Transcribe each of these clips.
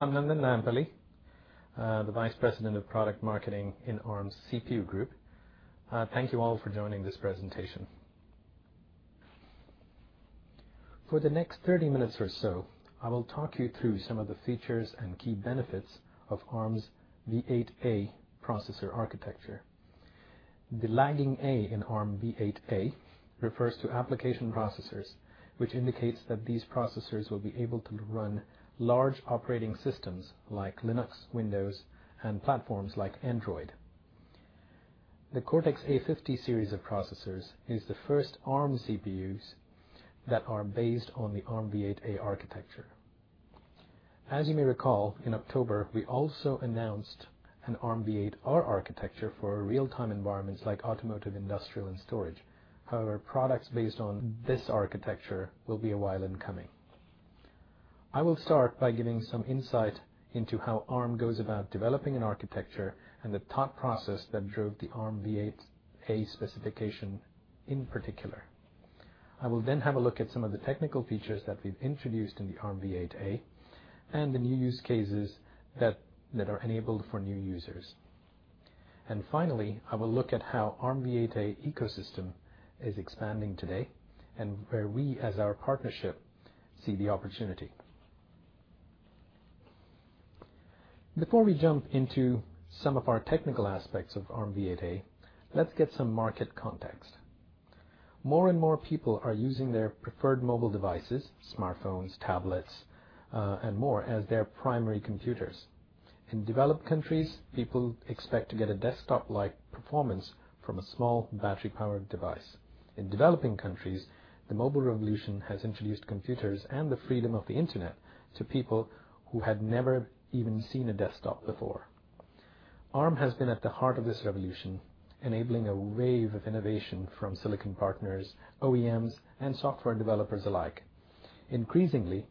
I'm Nandan Nayampally, the Vice President of Product Marketing in Arm's CPU Group. Thank you all for joining this presentation. For the next 30 minutes or so, I will talk you through some of the features and key benefits of Arm's Armv8-A processor architecture. The lagging A in Armv8-A refers to application processors, which indicates that these processors will be able to run large operating systems like Linux, Windows, and platforms like Android. The Cortex-A50 Series of processors is the first Arm CPUs that are based on the Armv8-A architecture. As you may recall, in October, we also announced an Armv8-R architecture for real-time environments like automotive, industrial, and storage. However, products based on this architecture will be a while in coming. I will start by giving some insight into how Arm goes about developing an architecture and the thought process that drove the Armv8-A specification in particular. I will then have a look at some of the technical features that we've introduced in the Armv8-A and the new use cases that are enabled for new users. Finally, I will look at how Armv8-A ecosystem is expanding today and where we, as our partnership, see the opportunity. Before we jump into some of our technical aspects of Armv8-A, let's get some market context. More and more people are using their preferred mobile devices, smartphones, tablets, and more as their primary computers. In developed countries, people expect to get a desktop-like performance from a small battery-powered device. In developing countries, the mobile revolution has introduced computers and the freedom of the internet to people who had never even seen a desktop before. Arm has been at the heart of this revolution, enabling a wave of innovation from silicon partners, OEMs, and software developers alike. Increasingly,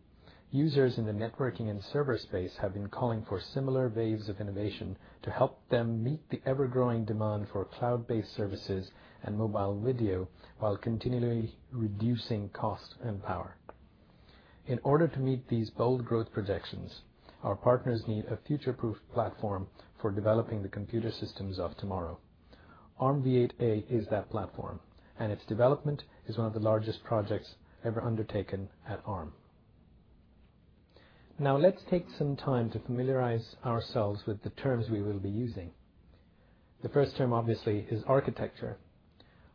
users in the networking and server space have been calling for similar waves of innovation to help them meet the ever-growing demand for cloud-based services and mobile video while continually reducing cost and power. In order to meet these bold growth projections, our partners need a future-proof platform for developing the computer systems of tomorrow. Armv8-A is that platform, and its development is one of the largest projects ever undertaken at Arm. Let's take some time to familiarize ourselves with the terms we will be using. The first term, obviously, is architecture.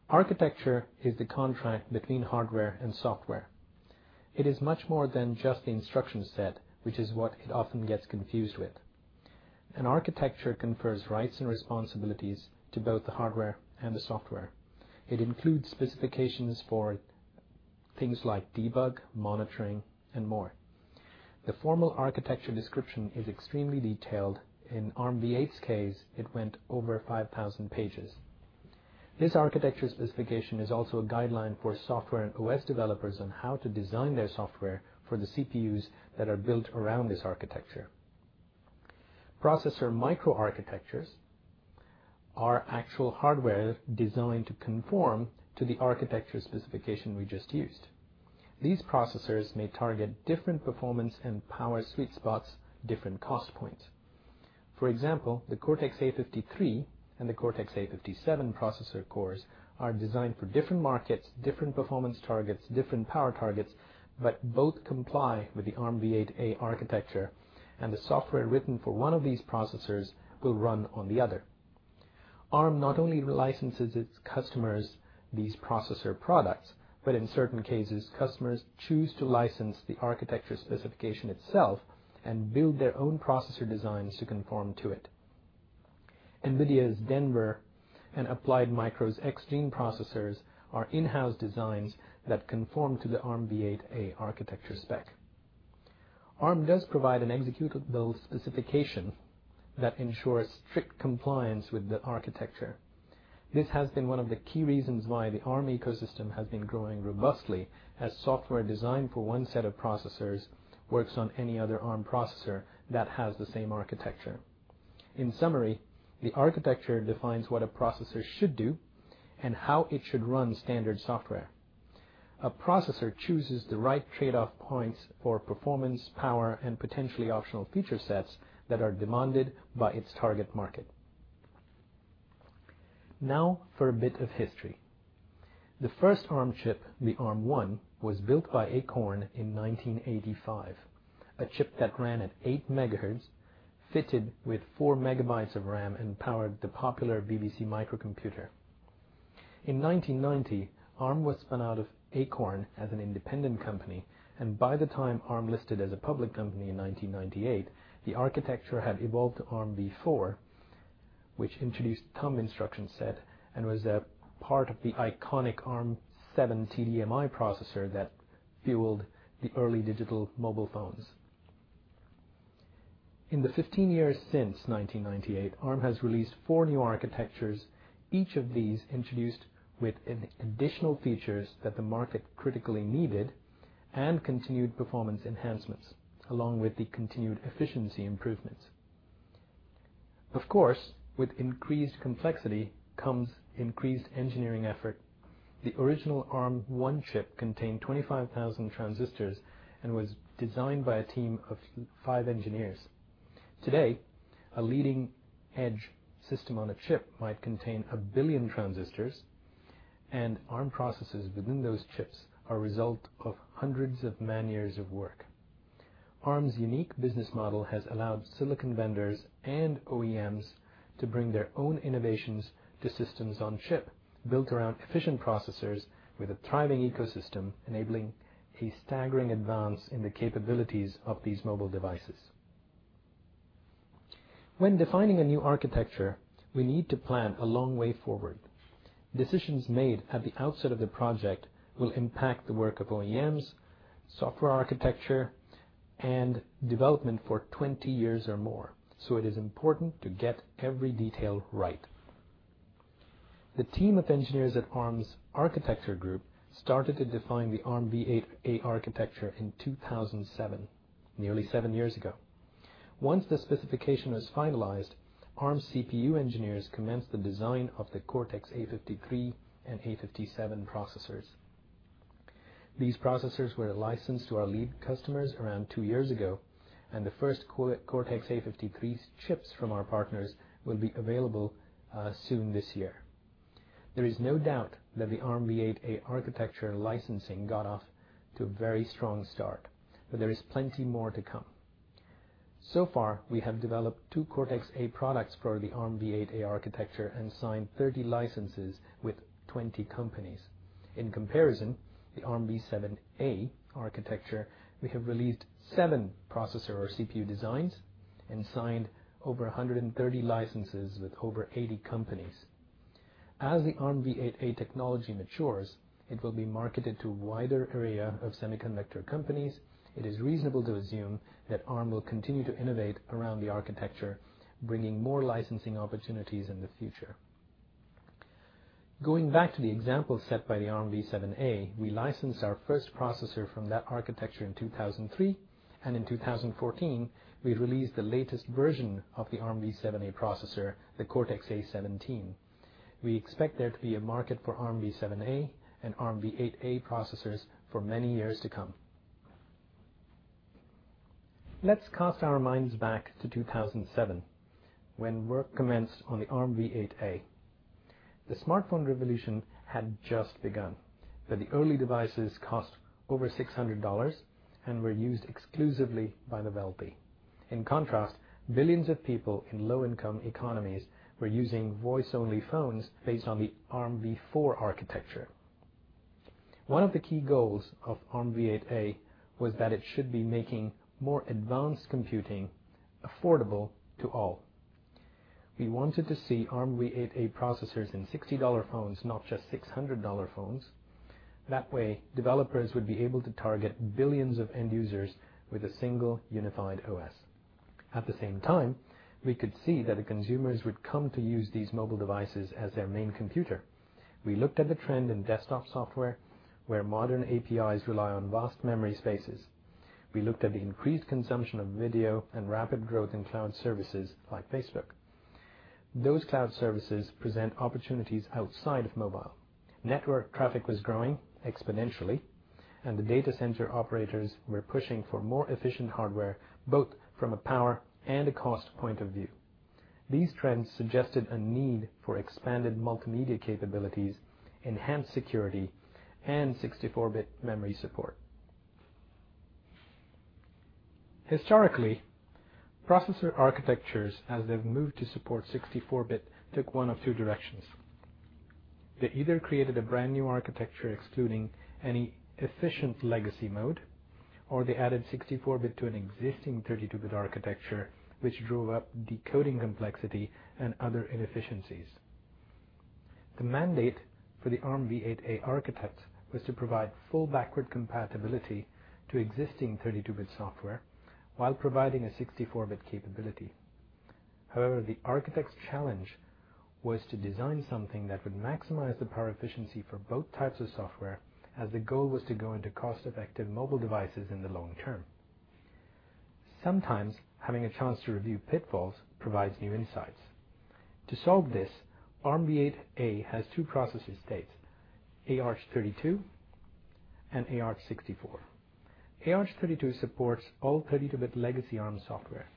Architecture is the contract between hardware and software. It is much more than just the instruction set, which is what it often gets confused with. An architecture confers rights and responsibilities to both the hardware and the software. It includes specifications for things like debug, monitoring, and more. The formal architecture description is extremely detailed. In Armv8's case, it went over 5,000 pages. This architecture specification is also a guideline for software and OS developers on how to design their software for the CPUs that are built around this architecture. Processor microarchitectures are actual hardware designed to conform to the architecture specification we just used. These processors may target different performance and power sweet spots, different cost points. For example, the Cortex-A53 and the Cortex-A57 processor cores are designed for different markets, different performance targets, different power targets, but both comply with the Armv8-A architecture, and the software written for one of these processors will run on the other. Arm not only licenses its customers these processor products, but in certain cases, customers choose to license the architecture specification itself and build their own processor designs to conform to it. Nvidia's Denver and AppliedMicro's X-Gene processors are in-house designs that conform to the Armv8-A architecture spec. Arm does provide an executable specification that ensures strict compliance with the architecture. This has been one of the key reasons why the Arm ecosystem has been growing robustly as software designed for one set of processors works on any other Arm processor that has the same architecture. In summary, the architecture defines what a processor should do and how it should run standard software. A processor chooses the right trade-off points for performance, power, and potentially optional feature sets that are demanded by its target market. Now for a bit of history. The first ARM1 chip, the ARM1, was built by Acorn in 1985, a chip that ran at 8 megahertz, fitted with 4 megabytes of RAM and powered the popular BBC Micro. In 1990, Arm was spun out of Acorn as an independent company, and by the time Arm listed as a public company in 1998, the architecture had evolved to ARMv4, which introduced Thumb instruction set and was a part of the iconic ARM7TDMI processor that fueled the early digital mobile phones. In the 15 years since 1998, Arm has released four new architectures, each of these introduced with additional features that the market critically needed and continued performance enhancements, along with the continued efficiency improvements. Of course, with increased complexity comes increased engineering effort. The original ARM1 chip contained 25,000 transistors and was designed by a team of five engineers. Today, a leading-edge system on a chip might contain 1 billion transistors, and Arm processors within those chips are a result of hundreds of man-years of work. Arm's unique business model has allowed silicon vendors and OEMs to bring their own innovations to systems on chip built around efficient processors with a thriving ecosystem, enabling a staggering advance in the capabilities of these mobile devices. When defining a new architecture, we need to plan a long way forward. Decisions made at the outset of the project will impact the work of OEMs, software architecture, and development for 20 years or more, so it is important to get every detail right. The team of engineers at Arm's architecture group started to define the Armv8-A architecture in 2007, nearly seven years ago. Once the specification was finalized, Arm CPU engineers commenced the design of the Cortex-A53 and A57 processors. These processors were licensed to our lead customers around two years ago, and the first Cortex-A53 chips from our partners will be available soon this year. There is no doubt that the Armv8-A architecture licensing got off to a very strong start, but there is plenty more to come. So far, we have developed two Cortex-A products for the Armv8-A architecture and signed 30 licenses with 20 companies. In comparison, the Armv7-A architecture, we have released 7 processor or CPU designs and signed over 130 licenses with over 80 companies. As the Armv8-A technology matures, it will be marketed to a wider area of semiconductor companies. It is reasonable to assume that Arm will continue to innovate around the architecture, bringing more licensing opportunities in the future. Going back to the example set by the Armv7-A, we licensed our first processor from that architecture in 2003, and in 2014, we released the latest version of the Armv7-A processor, the Cortex-A17. We expect there to be a market for Armv7-A and Armv8-A processors for many years to come. Let's cast our minds back to 2007, when work commenced on the Armv8-A. The smartphone revolution had just begun, but the early devices cost over GBP 600 and were used exclusively by the wealthy. In contrast, billions of people in low-income economies were using voice-only phones based on the ARMv4 architecture. One of the key goals of Armv8-A was that it should be making more advanced computing affordable to all. We wanted to see Armv8-A processors in GBP 60 phones, not just GBP 600 phones. That way, developers would be able to target billions of end users with a single unified OS. At the same time, we could see that the consumers would come to use these mobile devices as their main computer. We looked at the trend in desktop software, where modern APIs rely on vast memory spaces. We looked at the increased consumption of video and rapid growth in cloud services like Facebook. Those cloud services present opportunities outside of mobile. Network traffic was growing exponentially, the data center operators were pushing for more efficient hardware, both from a power and a cost point of view. These trends suggested a need for expanded multimedia capabilities, enhanced security, and 64-bit memory support. Historically, processor architectures, as they've moved to support 64-bit, took one of two directions. They either created a brand-new architecture excluding any efficient legacy mode, or they added 64-bit to an existing 32-bit architecture, which drove up decoding complexity and other inefficiencies. The mandate for the Armv8-A architects was to provide full backward compatibility to existing 32-bit software while providing a 64-bit capability. However, the architect's challenge was to design something that would maximize the power efficiency for both types of software, as the goal was to go into cost-effective mobile devices in the long term. Sometimes having a chance to review pitfalls provides new insights. To solve this, Armv8-A has two processor states: AArch32 and AArch64. AArch32 supports all 32-bit legacy Arm software.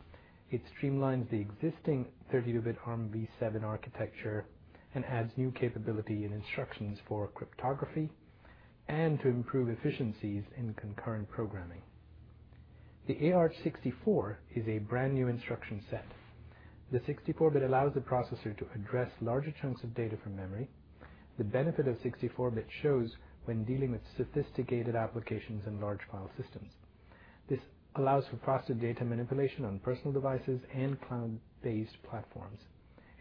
It streamlines the existing 32-bit Armv7-A architecture and adds new capability and instructions for cryptography and to improve efficiencies in concurrent programming. AArch64 is a brand-new instruction set. 64-bit allows the processor to address larger chunks of data from memory. The benefit of 64-bit shows when dealing with sophisticated applications and large file systems. This allows for faster data manipulation on personal devices and cloud-based platforms.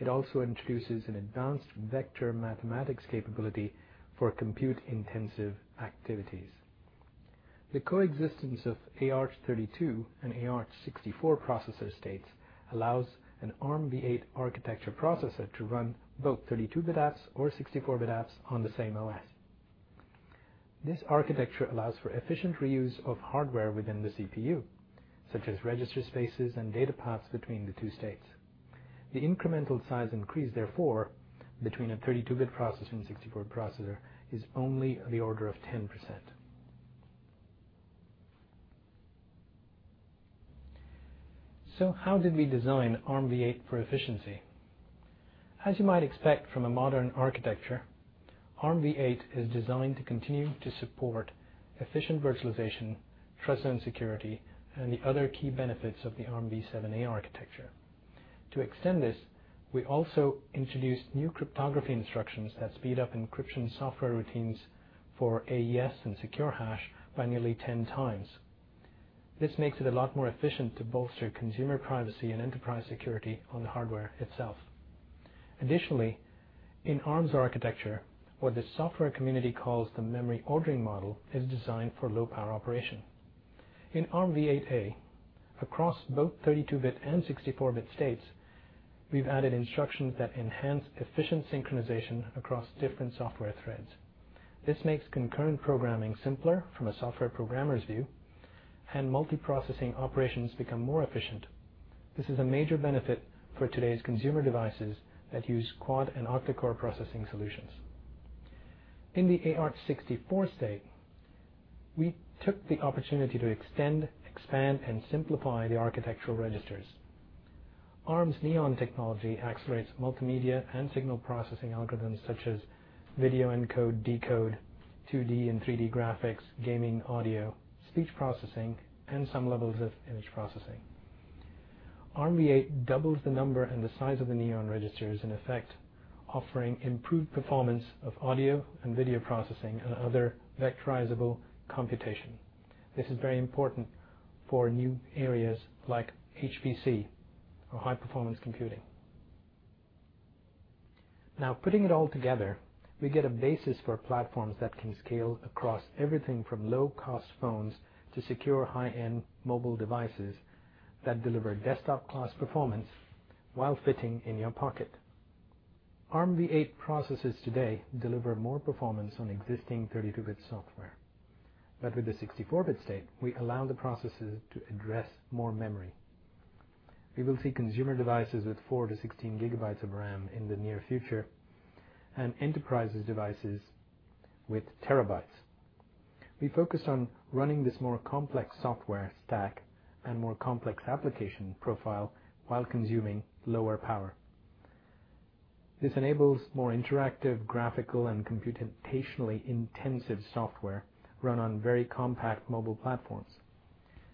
It also introduces an advanced vector mathematics capability for compute-intensive activities. The coexistence of AArch32 and AArch64 processor states allows an Armv8 architecture processor to run both 32-bit apps or 64-bit apps on the same OS. This architecture allows for efficient reuse of hardware within the CPU, such as register spaces and data paths between the two states. The incremental size increase, therefore, between a 32-bit processor and 64 processor, is only the order of 10%. How did we design Armv8 for efficiency? As you might expect from a modern architecture, Armv8 is designed to continue to support efficient virtualization, TrustZone security, and the other key benefits of the Armv7-A architecture. To extend this, we also introduced new cryptography instructions that speed up encryption software routines for AES and Secure Hash by nearly 10 times. This makes it a lot more efficient to bolster consumer privacy and enterprise security on the hardware itself. Additionally, in Arm's architecture, what the software community calls the memory ordering model is designed for low-power operation. In Armv8-A, across both 32-bit and 64-bit states, we've added instructions that enhance efficient synchronization across different software threads. This makes concurrent programming simpler from a software programmer's view, and multiprocessing operations become more efficient. This is a major benefit for today's consumer devices that use quad and octa-core processing solutions. In the AArch64 state, we took the opportunity to extend, expand, and simplify the architectural registers. Arm's Neon technology accelerates multimedia and signal processing algorithms such as video encode, decode, 2D and 3D graphics, gaming, audio, speech processing, and some levels of image processing. Armv8 doubles the number and the size of the Neon registers, in effect, offering improved performance of audio and video processing and other vectorizable computation. This is very important for new areas like HPC or high-performance computing. Putting it all together, we get a basis for platforms that can scale across everything from low-cost phones to secure high-end mobile devices that deliver desktop-class performance while fitting in your pocket. Armv8 processors today deliver more performance on existing 32-bit software. With the 64-bit state, we allow the processors to address more memory. We will see consumer devices with 4 to 16 gigabytes of RAM in the near future, and enterprises devices with terabytes. We focus on running this more complex software stack and more complex application profile while consuming lower power. This enables more interactive graphical and computationally intensive software run on very compact mobile platforms.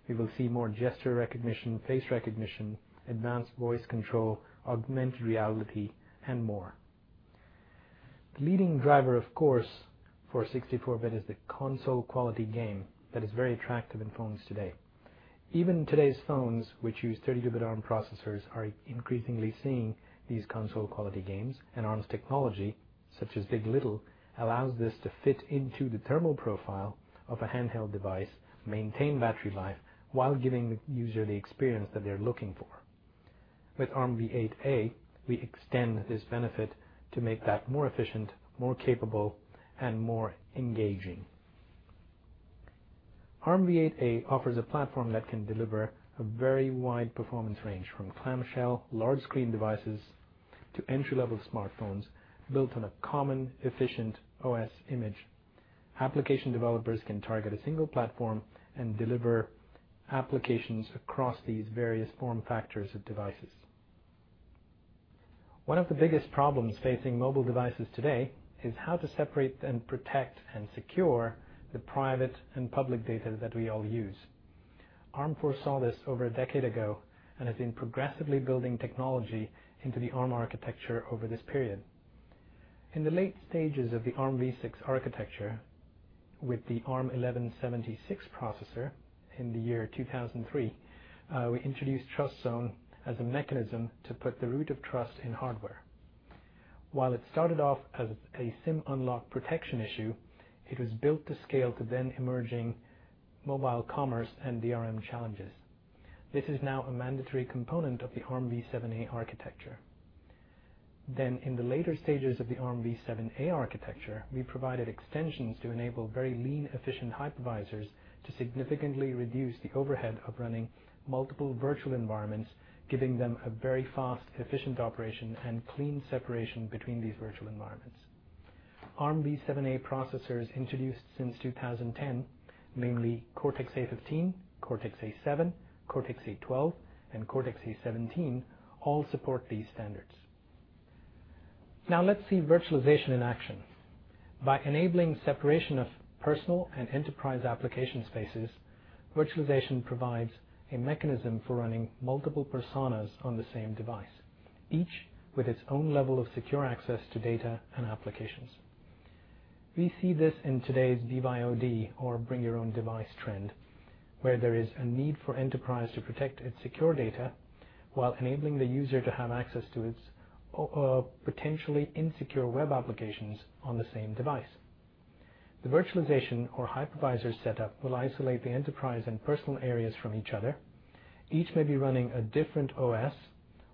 We will see more gesture recognition, face recognition, advanced voice control, augmented reality, and more. The leading driver, of course, for 64-bit is the console quality game that is very attractive in phones today. Even today's phones, which use 32-bit Arm processors, are increasingly seeing these console quality games, and Arm's technology, such as big. LITTLE, allows this to fit into the thermal profile of a handheld device, maintain battery life, while giving the user the experience that they're looking for. With Armv8-A, we extend this benefit to make that more efficient, more capable, and more engaging. Armv8-A offers a platform that can deliver a very wide performance range from clamshell large-screen devices to entry-level smartphones built on a common, efficient OS image. Application developers can target a single platform and deliver applications across these various form factors of devices. One of the biggest problems facing mobile devices today is how to separate and protect and secure the private and public data that we all use. Arm foresaw this over a decade ago and has been progressively building technology into the Arm architecture over this period. In the late stages of the Armv6 architecture, with the ARM1176 processor in the year 2003, we introduced TrustZone as a mechanism to put the root of trust in hardware. While it started off as a SIM unlock protection issue, it was built to scale to then-emerging mobile commerce and DRM challenges. This is now a mandatory component of the Armv7-A architecture. In the later stages of the Armv7-A architecture, we provided extensions to enable very lean, efficient hypervisors to significantly reduce the overhead of running multiple virtual environments, giving them a very fast, efficient operation and clean separation between these virtual environments. Armv7-A processors introduced since 2010, namely Cortex-A15, Cortex-A7, Cortex-A12, and Cortex-A17, all support these standards. Let's see virtualization in action. By enabling separation of personal and enterprise application spaces, virtualization provides a mechanism for running multiple personas on the same device, each with its own level of secure access to data and applications. We see this in today's BYOD or bring your own device trend, where there is a need for enterprise to protect its secure data while enabling the user to have access to its potentially insecure web applications on the same device. The virtualization or hypervisor setup will isolate the enterprise and personal areas from each other. Each may be running a different OS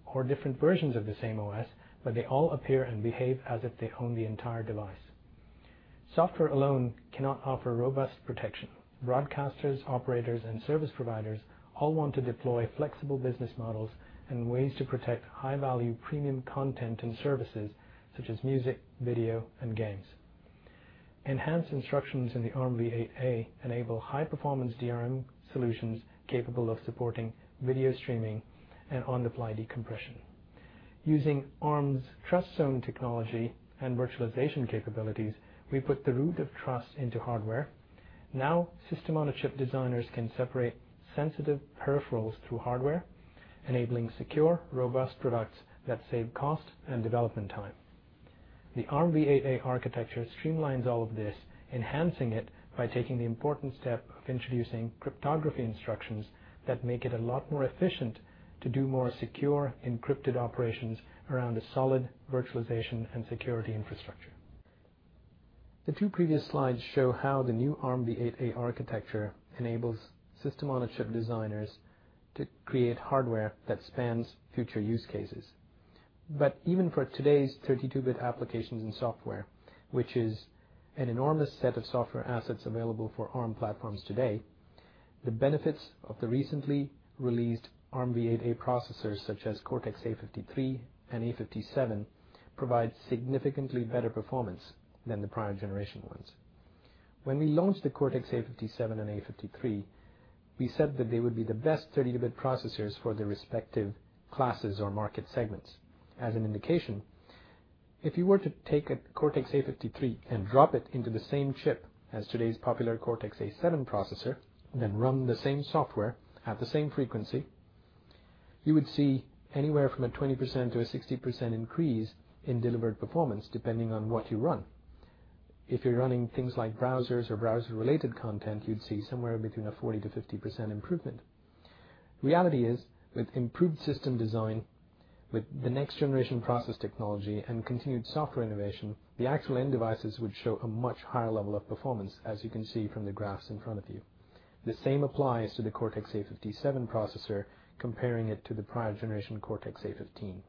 or different versions of the same OS, but they all appear and behave as if they own the entire device. Software alone cannot offer robust protection. Broadcasters, operators, and service providers all want to deploy flexible business models and ways to protect high-value premium content and services such as music, video, and games. Enhanced instructions in the Armv8-A enable high-performance DRM solutions capable of supporting video streaming and on-the-fly decompression. Using Arm's TrustZone technology and virtualization capabilities, we put the root of trust into hardware. System-on-a-chip designers can separate sensitive peripherals through hardware, enabling secure, robust products that save cost and development time. The Armv8-A architecture streamlines all of this, enhancing it by taking the important step of introducing cryptography instructions that make it a lot more efficient to do more secure encrypted operations around a solid virtualization and security infrastructure. The two previous slides show how the new Armv8-A architecture enables system-on-a-chip designers to create hardware that spans future use cases. Even for today's 32-bit applications and software, which is an enormous set of software assets available for Arm platforms today, the benefits of the recently released Armv8-A processors, such as Cortex-A53 and A57, provide significantly better performance than the prior generation ones. When we launched the Cortex-A57 and A53, we said that they would be the best 32-bit processors for their respective classes or market segments. If you were to take a Cortex-A53 and drop it into the same chip as today's popular Cortex-A7 processor, then run the same software at the same frequency, you would see anywhere from a 20%-60% increase in delivered performance, depending on what you run. If you're running things like browsers or browser-related content, you'd see somewhere between a 40%-50% improvement. Reality is, with improved system design, with the next-generation process technology, and continued software innovation, the actual end devices would show a much higher level of performance, as you can see from the graphs in front of you. The same applies to the Cortex-A57 processor, comparing it to the prior generation Cortex-A15.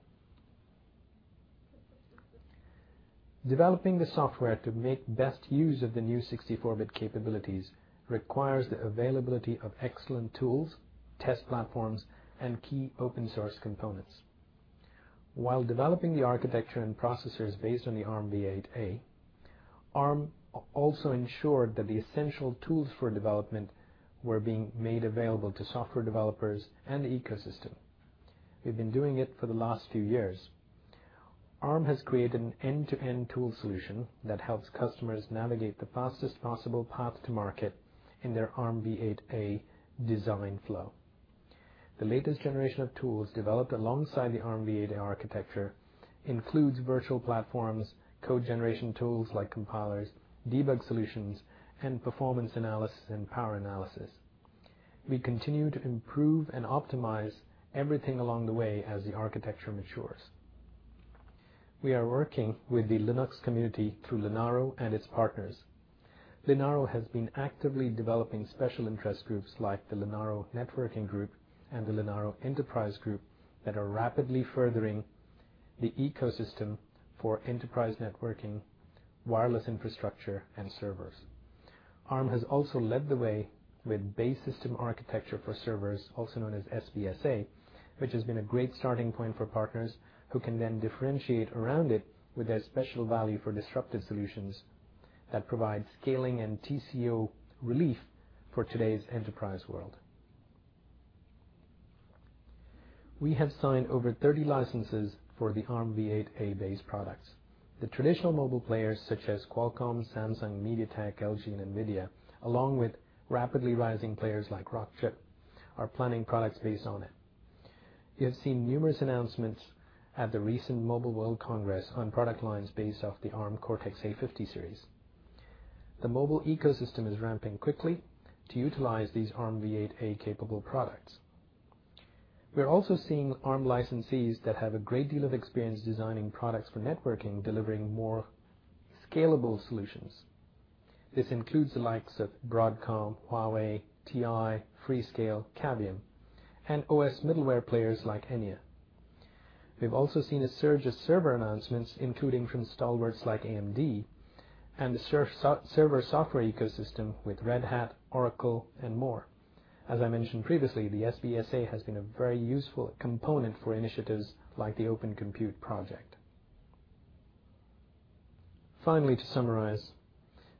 Developing the software to make best use of the new 64-bit capabilities requires the availability of excellent tools, test platforms, and key open source components. While developing the architecture and processors based on the Armv8-A, Arm also ensured that the essential tools for development were being made available to software developers and the ecosystem. We've been doing it for the last few years. Arm has created an end-to-end tool solution that helps customers navigate the fastest possible path to market in their Armv8-A design flow. The latest generation of tools developed alongside the Armv8-A architecture includes virtual platforms, code generation tools like compilers, debug solutions, and performance analysis and power analysis. We continue to improve and optimize everything along the way as the architecture matures. We are working with the Linux community through Linaro and its partners. Linaro has been actively developing special interest groups like the Linaro Networking Group and the Linaro Enterprise Group that are rapidly furthering the ecosystem for enterprise networking, wireless infrastructure, and servers. Arm has also led the way with Base System Architecture for servers, also known as SBSA, which has been a great starting point for partners who can then differentiate around it with their special value for disruptive solutions that provide scaling and TCO relief for today's enterprise world. We have signed over 30 licenses for the Armv8-A-based products. The traditional mobile players such as Qualcomm, Samsung, MediaTek, LG, and Nvidia, along with rapidly rising players like Rockchip, are planning products based on it. You have seen numerous announcements at the recent Mobile World Congress on product lines based off the Arm Cortex-A50 Series. The mobile ecosystem is ramping quickly to utilize these Armv8-A-capable products. We are also seeing Arm licensees that have a great deal of experience designing products for networking, delivering more scalable solutions. This includes the likes of Broadcom, Huawei, TI, Freescale, Cavium, and OS middleware players like Enea. We've also seen a surge of server announcements, including from stalwarts like AMD. The server software ecosystem with Red Hat, Oracle, and more. As I mentioned previously, the SBSA has been a very useful component for initiatives like the Open Compute Project. Finally, to summarize,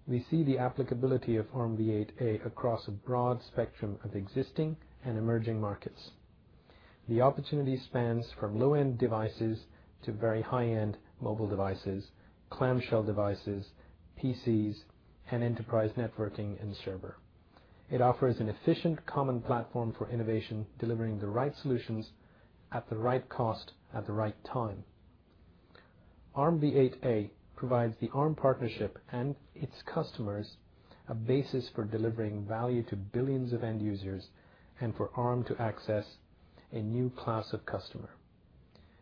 we see the applicability of Armv8-A across a broad spectrum of existing and emerging markets. The opportunity spans from low-end devices to very high-end mobile devices, clamshell devices, PCs, and enterprise networking and server. It offers an efficient, common platform for innovation, delivering the right solutions at the right cost at the right time. Armv8-A provides the Arm partnership and its customers a basis for delivering value to billions of end users and for Arm to access a new class of customer.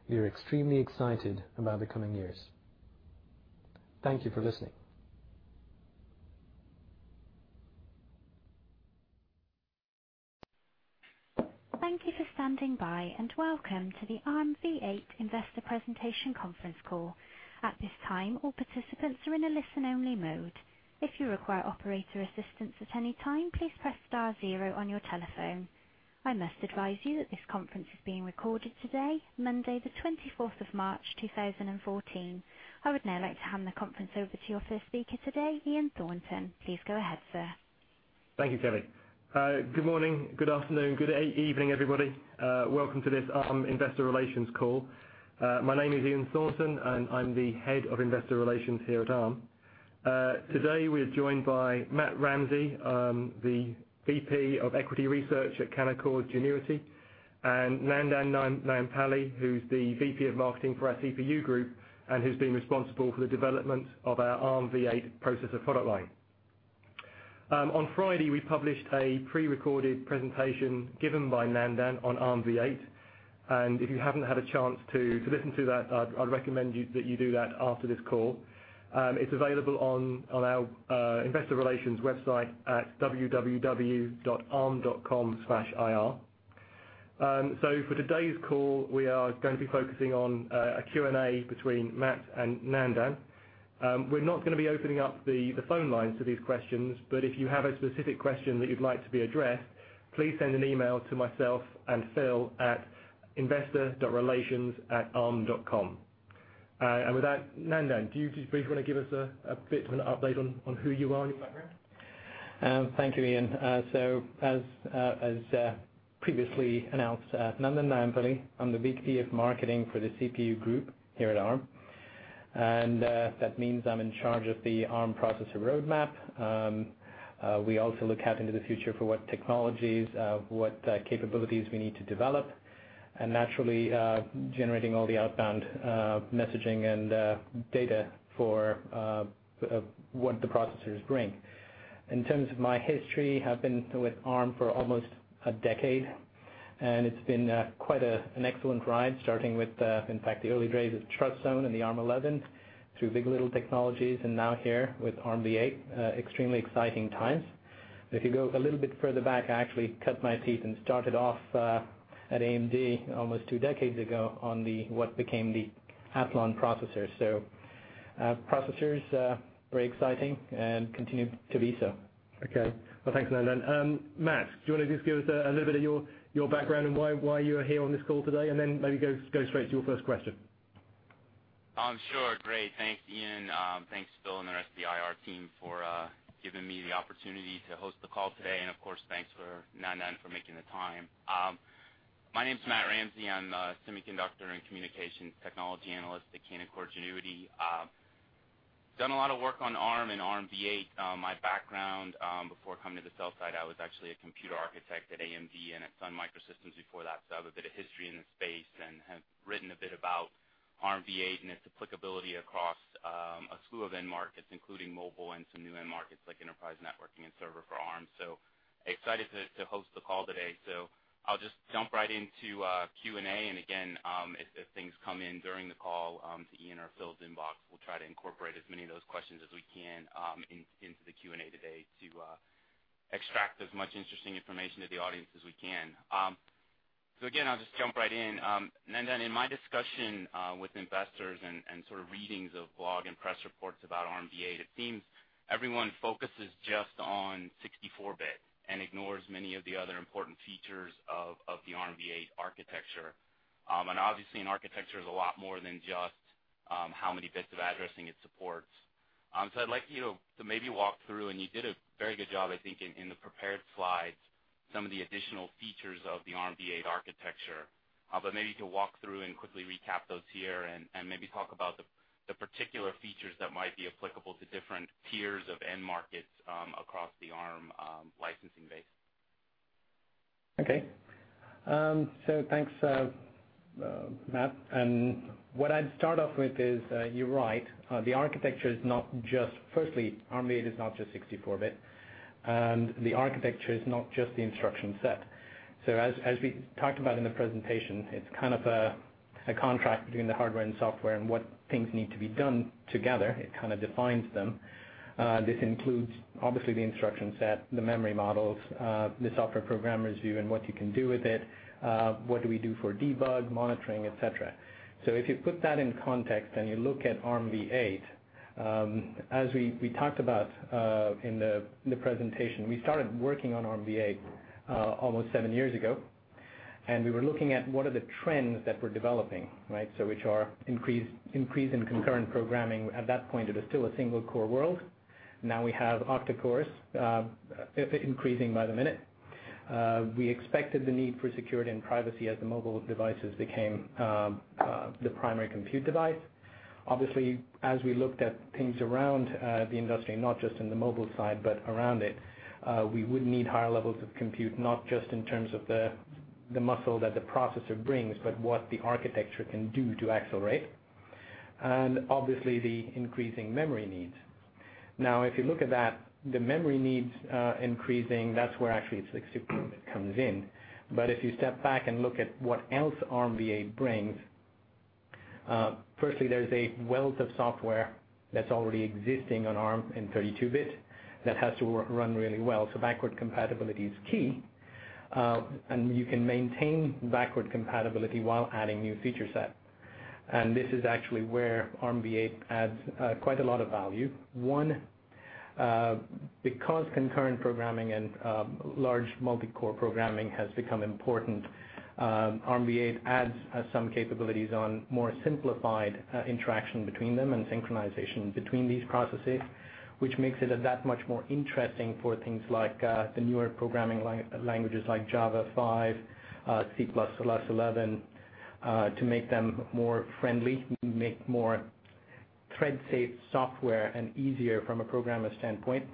We are extremely excited about the coming years. Thank you for listening. Thank you for standing by, and welcome to the Armv8 investor presentation conference call. At this time, all participants are in a listen-only mode. If you require operator assistance at any time, please press star zero on your telephone. I must advise you that this conference is being recorded today, Monday the 24th of March, 2014. I would now like to hand the conference over to your first speaker today, Ian Thornton. Please go ahead, sir. Thank you, Kelly. Good morning, good afternoon, good evening, everybody. Welcome to this Arm investor relations call. My name is Ian Thornton, and I'm the Head of Investor Relations here at Arm. Today, we are joined by Matt Ramsay, the VP of Equity Research at Canaccord Genuity, and Nandan Nayampally, who's the VP of Marketing for our CPU group and who's been responsible for the development of our Armv8 processor product line. On Friday, we published a pre-recorded presentation given by Nandan on Armv8, and if you haven't had a chance to listen to that, I'd recommend that you do that after this call. It's available on our Investor Relations website at www.arm.com/ir. For today's call, we are going to be focusing on a Q&A between Matt and Nandan. We're not going to be opening up the phone lines for these questions, but if you have a specific question that you'd like to be addressed, please send an email to myself and Phil at investor.relations@arm.com. With that, Nandan, do you briefly want to give us a bit of an update on who you are and your background? Thank you, Ian. As previously announced, Nandan Nayampally, I'm the VP of Marketing for the CPU group here at Arm, and that means I'm in charge of the Arm processor roadmap. We also look out into the future for what technologies, what capabilities we need to develop, and naturally, generating all the outbound messaging and data for what the processors bring. In terms of my history, I have been with Arm for almost a decade, and it's been quite an excellent ride, starting with, in fact, the early days of TrustZone and the ARM11, through big. LITTLE technologies, and now here with Armv8. Extremely exciting times. If you go a little bit further back, I actually cut my teeth and started off at AMD almost two decades ago on what became the Athlon processor. Processors, very exciting, and continue to be so. Okay. Well, thanks, Nandan. Matt, do you want to just give us a little bit of your background and why you are here on this call today, and then maybe go straight to your first question? Sure. Great. Thanks, Ian. Thanks, Phil, and the rest of the IR team for giving me the opportunity to host the call today. Of course, thanks for Nandan for making the time. My name's Matt Ramsay. I'm a semiconductor and communications technology analyst at Canaccord Genuity. Done a lot of work on Arm and Armv8. My background before coming to the sell side, I was actually a computer architect at AMD and at Sun Microsystems before that. I have a bit of history in this space and have written a bit about Armv8 and its applicability across a slew of end markets, including mobile and some new end markets like enterprise networking and server for Arm. Excited to host the call today. I'll just jump right into Q&A, and again, if things come in during the call to Ian or Phil's inbox, we'll try to incorporate as many of those questions as we can into the Q&A today to extract as much interesting information to the audience as we can. Again, I'll just jump right in. Nandan, in my discussion with investors and sort of readings of blog and press reports about Armv8, it seems everyone focuses just on 64-bit and ignores many of the other important features of the Armv8 architecture. Obviously, an architecture is a lot more than just how many bits of addressing it supports. I'd like you to maybe walk through, and you did a very good job, I think, in the prepared slides, some of the additional features of the Armv8 architecture. Maybe you can walk through and quickly recap those here and maybe talk about the particular features that might be applicable to different tiers of end markets across the Arm licensing base. Okay. Thanks, Matt. What I'd start off with is, you're right. firstly, Armv8 is not just 64-bit, and the architecture is not just the instruction set. As we talked about in the presentation, it's kind of a contract between the hardware and software and what things need to be done together. It kind of defines them. This includes, obviously, the instruction set, the memory models, the software programmer's view, and what you can do with it, what do we do for debug, monitoring, et cetera. If you put that in context and you look at Armv8, as we talked about in the presentation, we started working on Armv8 almost seven years ago, and we were looking at what are the trends that we're developing, right? Which are increase in concurrent programming. At that point, it was still a single core world. Now we have octa-cores increasing by the minute. We expected the need for security and privacy as the mobile devices became the primary compute device. Obviously, as we looked at things around the industry, not just in the mobile side, but around it, we would need higher levels of compute, not just in terms of the muscle that the processor brings, but what the architecture can do to accelerate. Obviously, the increasing memory needs. If you look at that, the memory needs increasing, that's where actually 64-bit comes in. If you step back and look at what else Armv8 brings. Firstly, there's a wealth of software that's already existing on Arm in 32-bit that has to run really well. Backward compatibility is key. You can maintain backward compatibility while adding new feature set. This is actually where Armv8 adds quite a lot of value. One, because concurrent programming and large multi-core programming has become important, Armv8 adds some capabilities on more simplified interaction between them and synchronization between these processes, which makes it that much more interesting for things like the newer programming languages like Java 5, C++11, to make them more friendly, make more thread-safe software, and easier from a programmer standpoint.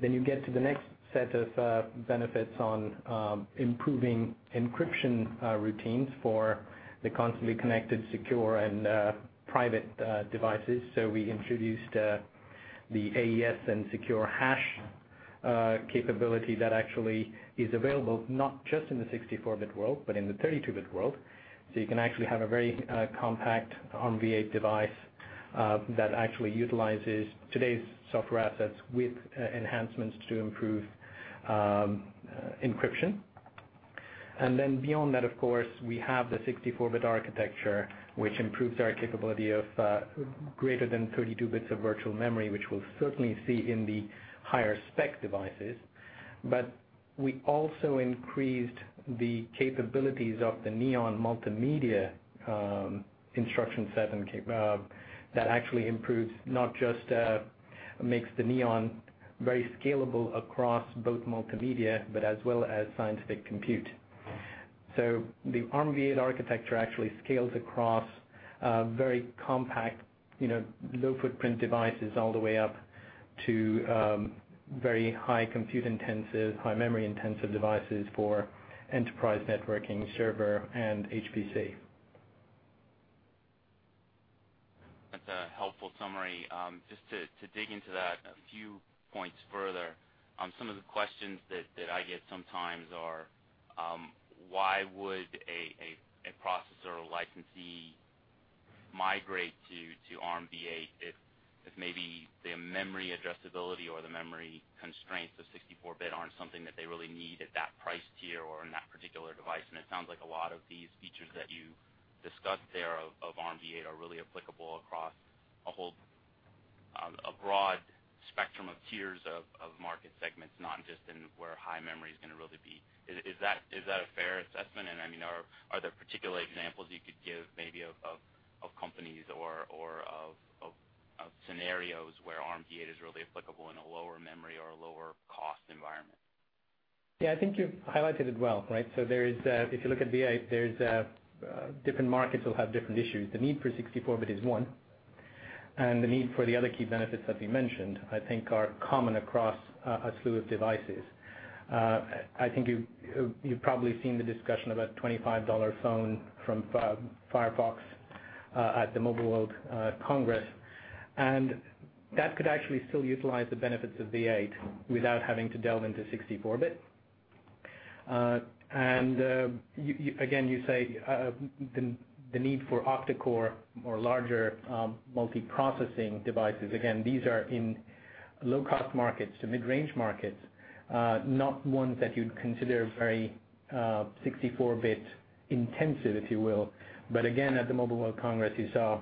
You get to the next set of benefits on improving encryption routines for the constantly connected, secure, and private devices. We introduced the AES and secure hash capability that actually is available not just in the 64-bit world, but in the 32-bit world. You can actually have a very compact Armv8 device that actually utilizes today's software assets with enhancements to improve encryption. Beyond that, of course, we have the 64-bit architecture, which improves our capability of greater than 32 bits of virtual memory, which we'll certainly see in the higher spec devices. We also increased the capabilities of the Neon multimedia instruction set that actually improves, not just makes the Neon very scalable across both multimedia, but as well as scientific compute. The Armv8 architecture actually scales across very compact, low footprint devices all the way up to very high compute intensive, high memory intensive devices for enterprise networking, server, and HPC. That's a helpful summary. Just to dig into that a few points further, some of the questions that I get sometimes are, why would a processor or licensee migrate to Armv8 if maybe their memory addressability or the memory constraints of 64-bit aren't something that they really need at that price tier or in that particular device? It sounds like a lot of these features that you discussed there of Armv8 are really applicable across a broad spectrum of tiers of market segments, not just in where high memory is going to really be. Is that a fair assessment? Are there particular examples you could give maybe of companies or of scenarios where Armv8 is really applicable in a lower memory or a lower cost environment? Yeah, I think you've highlighted it well, right? There is, if you look at v8, different markets will have different issues. The need for 64-bit is one, the need for the other key benefits that we mentioned, I think, are common across a slew of devices. I think you've probably seen the discussion of a $25 phone from Mozilla at the Mobile World Congress, that could actually still utilize the benefits of v8 without having to delve into 64-bit. Again, you say the need for octa-core or larger multi-processing devices. Again, these are in low-cost markets to mid-range markets, not ones that you'd consider very 64-bit intensive, if you will. Again, at the Mobile World Congress, you saw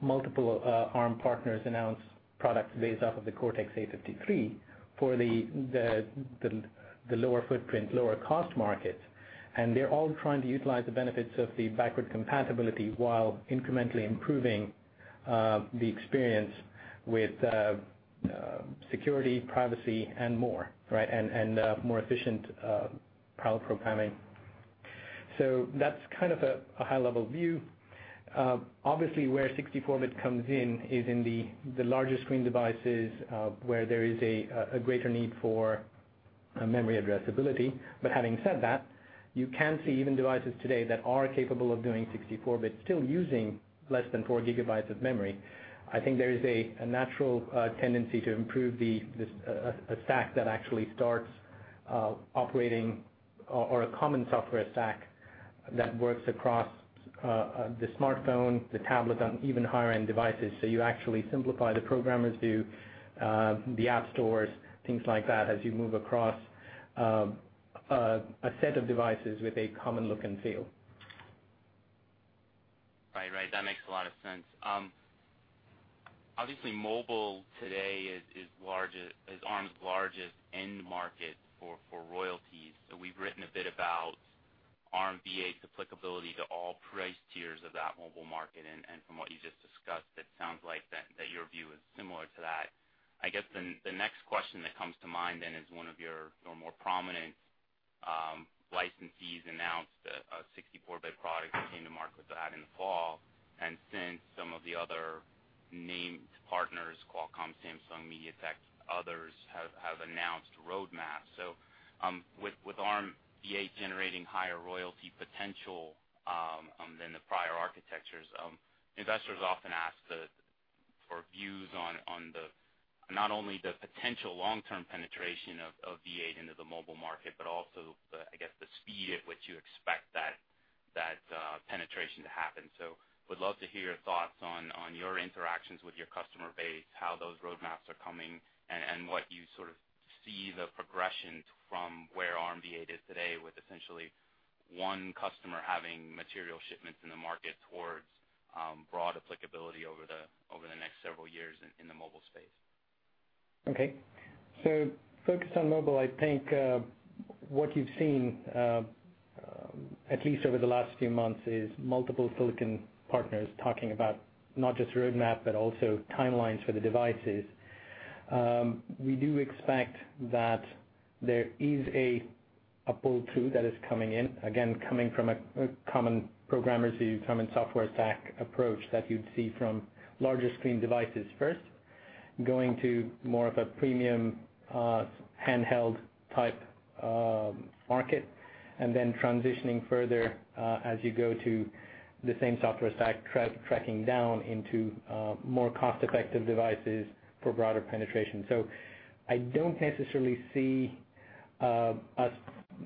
multiple Arm partners announce products based off of the Cortex-A53 for the lower footprint, lower cost markets. They're all trying to utilize the benefits of the backward compatibility while incrementally improving the experience with security, privacy, and more, right? More efficient parallel programming. That's kind of a high level view. Obviously, where 64-bit comes in is in the larger screen devices, where there is a greater need for memory addressability. Having said that, you can see even devices today that are capable of doing 64-bit still using less than four gigabytes of memory. I think there is a natural tendency to improve a stack that actually starts operating or a common software stack that works across the smartphone, the tablet, and even higher-end devices. You actually simplify the programmer's view, the app stores, things like that, as you move across a set of devices with a common look and feel. Right. That makes a lot of sense. Obviously, mobile today is Arm's largest end market for royalties. We've written a bit about Armv8's applicability to all price tiers of that mobile market. From what you just discussed, it sounds like that your view is similar to that. I guess the next question that comes to mind then is one of your more prominent licensees announced a 64-bit product that came to market with that in the fall. Since some of the other named partners, Qualcomm, Samsung, MediaTek, others, have announced roadmaps. With Armv8 generating higher royalty potential than the prior architectures, investors often ask the Arm views on not only the potential long-term penetration of v8 into the mobile market, but also, I guess, the speed at which you expect that penetration to happen. Would love to hear your thoughts on your interactions with your customer base, how those roadmaps are coming, and what you sort of see the progression from where Armv8 is today, with essentially one customer having material shipments in the market towards broad applicability over the next several years in the mobile space. Okay. Focused on mobile, I think what you've seen, at least over the last few months, is multiple silicon partners talking about not just roadmap, but also timelines for the devices. We do expect that there is a pull too that is coming in, again, coming from a common programmer, a software stack approach that you'd see from larger screen devices first, going to more of a premium handheld type market, and then transitioning further as you go to the same software stack, tracking down into more cost-effective devices for broader penetration. I don't necessarily see us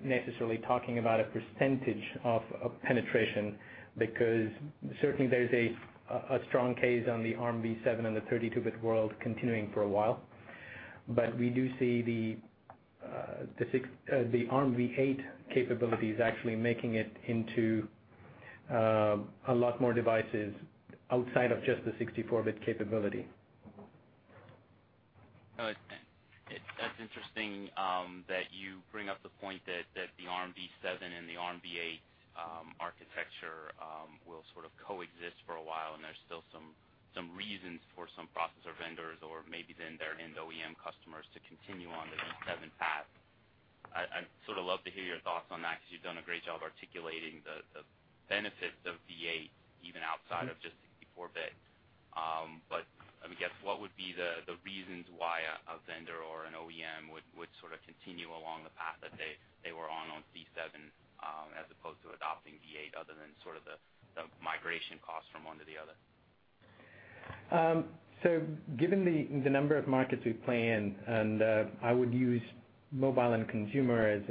necessarily talking about a percentage of penetration, because certainly there's a strong case on the Armv7 and the 32-bit world continuing for a while. We do see the Armv8 capabilities actually making it into a lot more devices outside of just the 64-bit capability. No, that's interesting that you bring up the point that the Armv7 and the Armv8 architecture will sort of coexist for a while, and there's still some reasons for some processor vendors or maybe then their end OEM customers to continue on the v7 path. I'd sort of love to hear your thoughts on that, because you've done a great job of articulating the benefits of v8 even outside of just 64-bit. I guess what would be the reasons why a vendor or an OEM would sort of continue along the path that they were on v7, as opposed to adopting v8 other than sort of the migration costs from one to the other? Given the number of markets we play in, and I would use mobile and consumer as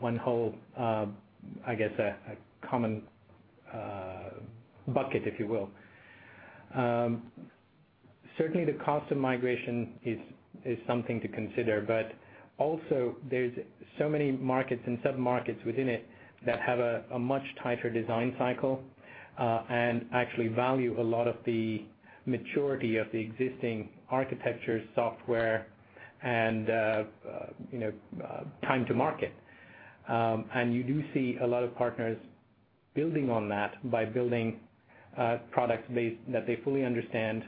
one whole, I guess, a common bucket, if you will. Certainly, the cost of migration is something to consider. Also there's so many markets and sub-markets within it that have a much tighter design cycle and actually value a lot of the maturity of the existing architecture software and time to market. You do see a lot of partners building on that by building products that they fully understand.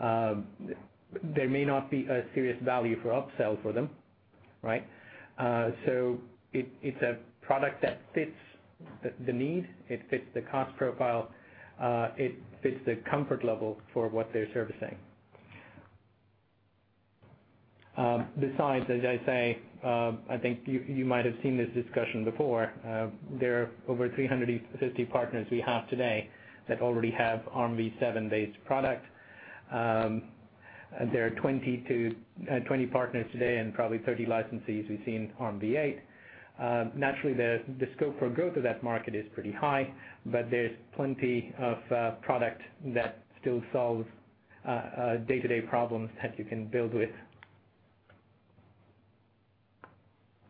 There may not be a serious value for upsell for them. It's a product that fits the need, it fits the cost profile, it fits the comfort level for what they're servicing. Besides, as I say, I think you might have seen this discussion before, there are over 350 partners we have today that already have Armv7 based product. There are 20 partners today and probably 30 licensees we've seen Armv8. Naturally, the scope for growth of that market is pretty high, but there's plenty of product that still solves day-to-day problems that you can build with.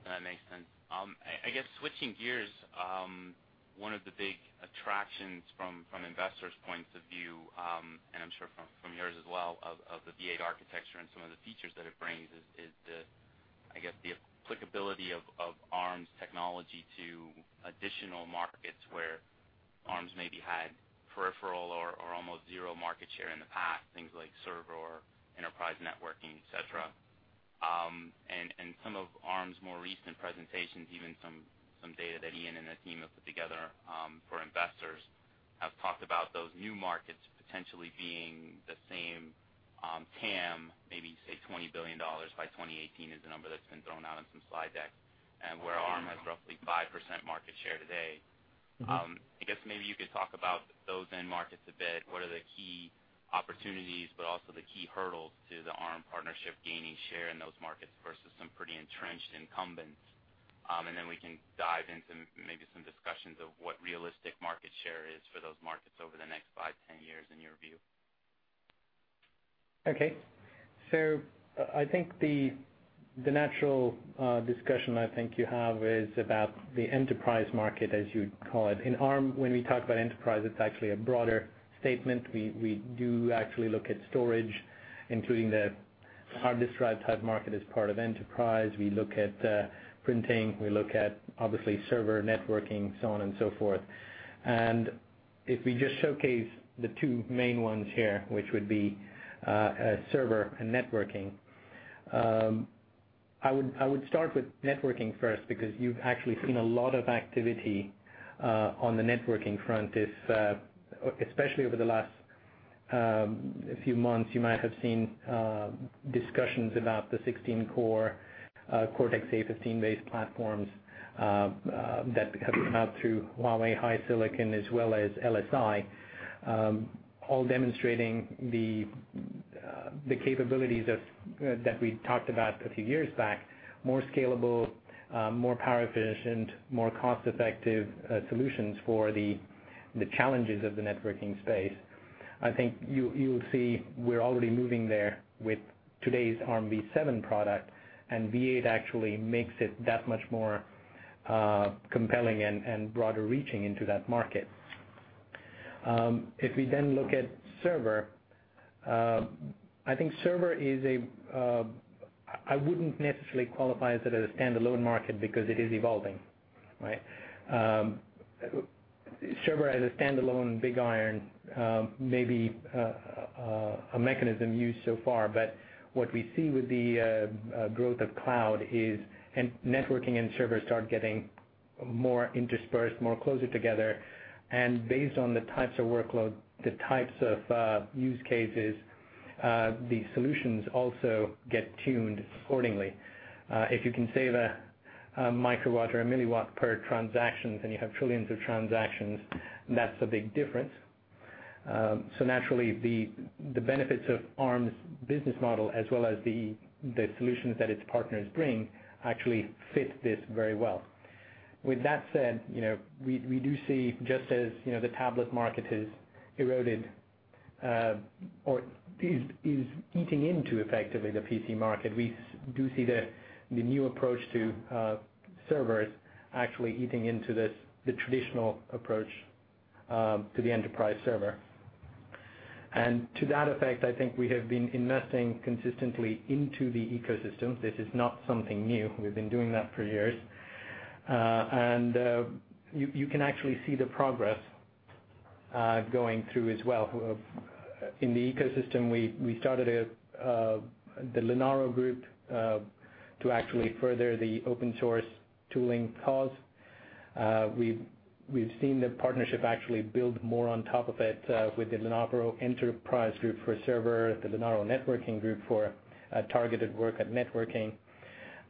That makes sense. I guess switching gears, one of the big attractions from investors' points of view, and I'm sure from yours as well, of the Armv8 architecture and some of the features that it brings is the applicability of Arm's technology to additional markets where Arm maybe had peripheral or almost zero market share in the past, things like server or enterprise networking, et cetera. Some of Arm's more recent presentations, even some data that Ian and the team have put together for investors, have talked about those new markets potentially being the same TAM, maybe say GBP 20 billion by 2018 is the number that's been thrown out on some slide decks, and where Arm has roughly 5% market share today. I guess maybe you could talk about those end markets a bit. What are the key opportunities but also the key hurdles to the Arm partnership gaining share in those markets versus some pretty entrenched incumbents? Then we can dive into maybe some discussions of what realistic market share is for those markets over the next 5, 10 years in your view. Okay. I think the natural discussion I think you have is about the enterprise market, as you'd call it. In Arm, when we talk about enterprise, it's actually a broader statement. We do actually look at storage, including the hard disk drive type market as part of enterprise. We look at printing, we look at, obviously, server networking, so on and so forth. If we just showcase the two main ones here, which would be server and networking. I would start with networking first, because you've actually seen a lot of activity on the networking front, especially over the last few months, you might have seen discussions about the 16 core Cortex-A15-based platforms that have come out through Huawei HiSilicon as well as LSI, all demonstrating the capabilities that we talked about a few years back. More scalable, more power efficient, more cost-effective solutions for the challenges of the networking space. I think you will see we're already moving there with today's Armv7 product, Armv8 actually makes it that much more compelling and broader reaching into that market. If we then look at server, I wouldn't necessarily qualify it as a standalone market because it is evolving. Right? Server as a standalone big iron may be a mechanism used so far, but what we see with the growth of cloud is, networking and servers start getting more interspersed, more closer together, and based on the types of workload, the types of use cases, the solutions also get tuned accordingly. If you can save a microwatt or a milliwatt per transactions and you have trillions of transactions, that's a big difference. Naturally, the benefits of Arm's business model as well as the solutions that its partners bring actually fit this very well. With that said, we do see, just as the tablet market has eroded or is eating into effectively the PC market, we do see the new approach to servers actually eating into the traditional approach to the enterprise server. To that effect, I think we have been investing consistently into the ecosystem. This is not something new. We've been doing that for years. You can actually see the progress going through as well. In the ecosystem, we started the Linaro group to actually further the open source tooling cause. We've seen the partnership actually build more on top of it with the Linaro Enterprise Group for server, the Linaro Networking Group for targeted work at networking.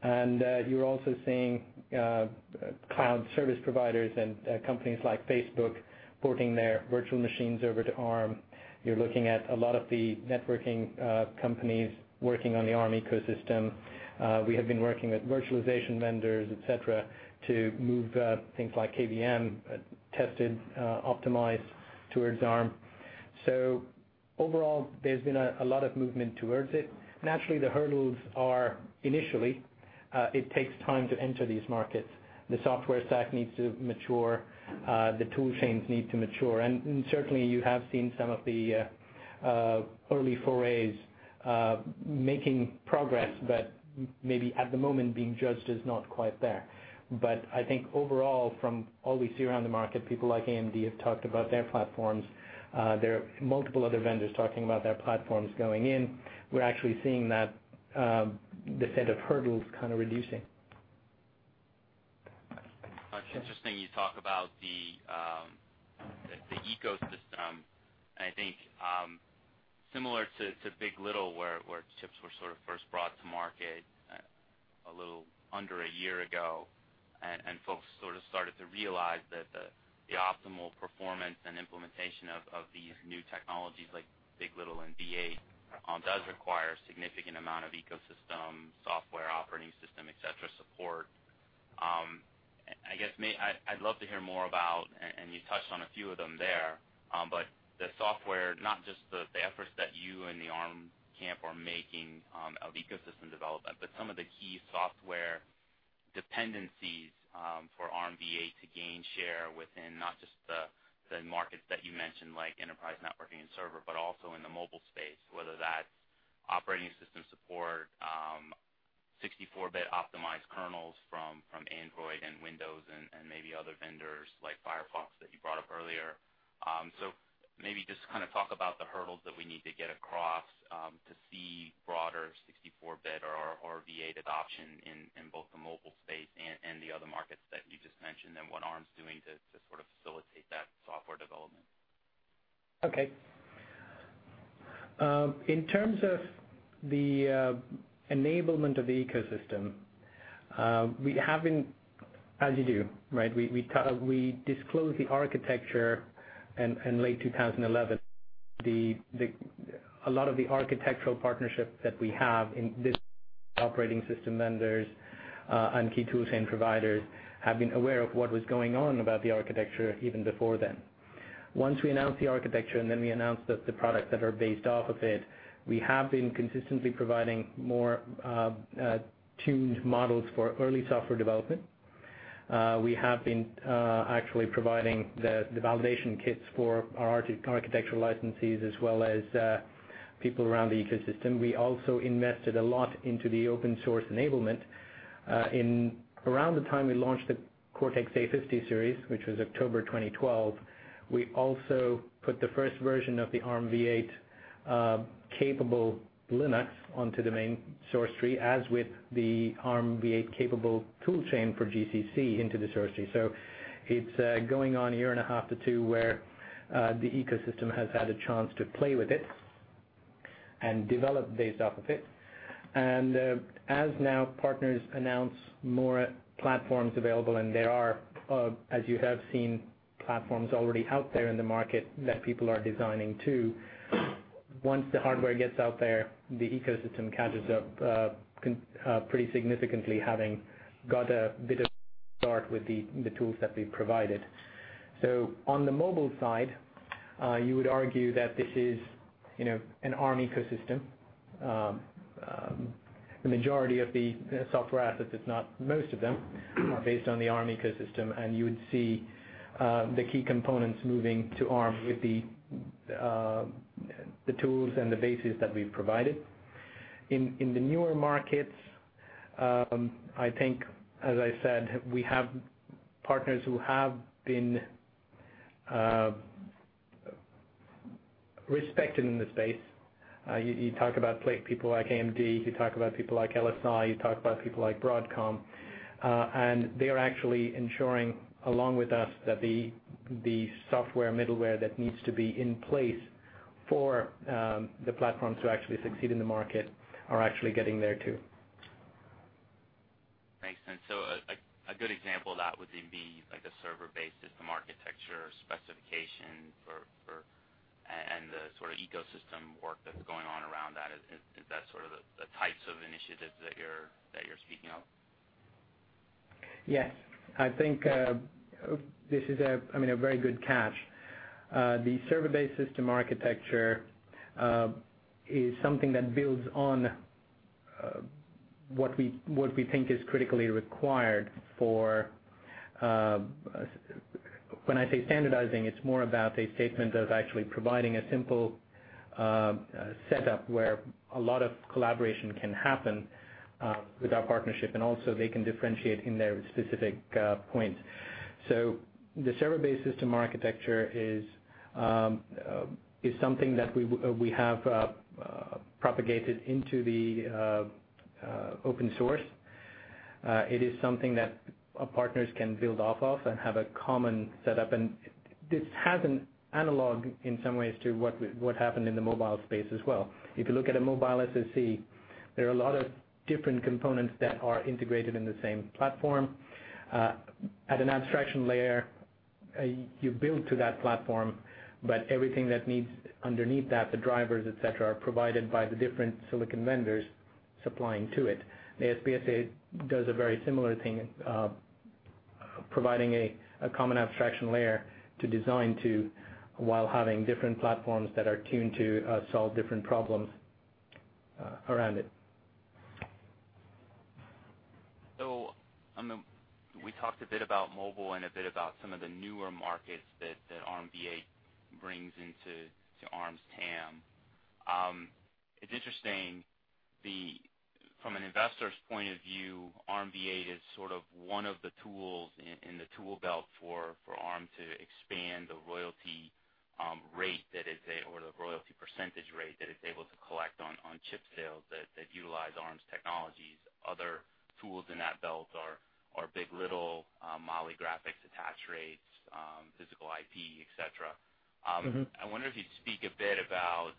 You're also seeing cloud service providers and companies like Facebook porting their virtual machines over to Arm. You're looking at a lot of the networking companies working on the Arm ecosystem. We have been working with virtualization vendors, et cetera, to move things like KVM, tested, optimized towards Arm. Overall, there's been a lot of movement towards it. Naturally, the hurdles are initially, it takes time to enter these markets. The software stack needs to mature. The tool chains need to mature. Certainly, you have seen some of the early forays making progress, but maybe at the moment, being judged as not quite there. I think overall, from all we see around the market, people like AMD have talked about their platforms. There are multiple other vendors talking about their platforms going in. We're actually seeing the set of hurdles kind of reducing. Interesting you talk about the ecosystem, I think similar to big. LITTLE where chips were sort of first brought to market a little under a year ago, folks sort of started to realize that the optimal performance and implementation of these new technologies like big. LITTLE and Armv8 does require a significant amount of ecosystem, software, operating system, et cetera, support. I guess, may I? I'd love to hear more about, and you touched on a few of them there, but the software, not just the efforts that you and the Arm camp are making of ecosystem development, but some of the key software dependencies for Armv8 to gain share within not just the markets that you mentioned, like enterprise networking and server, but also in the mobile space, whether that's operating system support, 64-bit optimized kernels from Android and Windows and maybe other vendors like Firefox that you brought up earlier. Maybe just kind of talk about the hurdles that we need to get across to see broader 64-bit or Armv8 adoption in both the mobile space and the other markets that you just mentioned, and what Arm's doing to sort of facilitate that software development. Okay. In terms of the enablement of the ecosystem, we have been as you do, right? We disclose the architecture in late 2011. A lot of the architectural partnerships that we have in this operating system vendors, and key toolchain providers have been aware of what was going on about the architecture even before then. Once we announced the architecture, and then we announced that the products that are based off of it, we have been consistently providing more tuned models for early software development. We have been actually providing the validation kits for our architectural licensees as well as people around the ecosystem. We also invested a lot into the open source enablement. Around the time we launched the Cortex-A50 Series, which was October 2012, we also put the first version of the Armv8-capable Linux onto the main source tree, as with the Armv8-capable toolchain for GCC into the source tree. It's going on a year and a half to two where the ecosystem has had a chance to play with it and develop based off of it. As now partners announce more platforms available, and there are, as you have seen, platforms already out there in the market that people are designing to. Once the hardware gets out there, the ecosystem catches up pretty significantly, having got a bit of a start with the tools that we've provided. On the mobile side, you would argue that this is an Arm ecosystem. The majority of the software assets, if not most of them, are based on the Arm ecosystem, and you would see the key components moving to Arm with the tools and the bases that we've provided. In the newer markets, I think, as I said, we have partners who have been respected in the space. You talk about people like AMD, you talk about people like LSI, you talk about people like Broadcom, and they are actually ensuring, along with us, that the software middleware that needs to be in place for the platforms to actually succeed in the market are actually getting there, too. Thanks. A good example of that would then be like a Server Base System Architecture specification, and the sort of ecosystem work that's going on around that. Is that sort of the types of initiatives that you're speaking of? Yes. I think this is a very good catch. The Server Base System Architecture is something that builds on what we think is critically required for when I say standardizing, it's more about a statement of actually providing a simple setup where a lot of collaboration can happen with our partnership, and also they can differentiate in their specific points. The Server Base System Architecture is something that we have propagated into the open source. It is something that our partners can build off of and have a common setup. This has an analog in some ways to what happened in the mobile space as well. If you look at a mobile SoC, there are a lot of different components that are integrated in the same platform. At an abstraction layer, you build to that platform, everything that needs underneath that, the drivers, et cetera, are provided by the different silicon vendors supplying to it. The SBSA does a very similar thing, providing a common abstraction layer to design to while having different platforms that are tuned to solve different problems around it. We talked a bit about mobile and a bit about some of the newer markets that Armv8 brings into Arm's TAM. It's interesting, from an investor's point of view, Armv8 is sort of one of the tools in the tool belt for Arm to expand the royalty rate, or the royalty percentage rate that it's able to collect on chip sales that utilize Arm's technologies. Other tools in that belt are big. LITTLE, Mali graphics attach rates, physical IP, et cetera. I wonder if you'd speak a bit about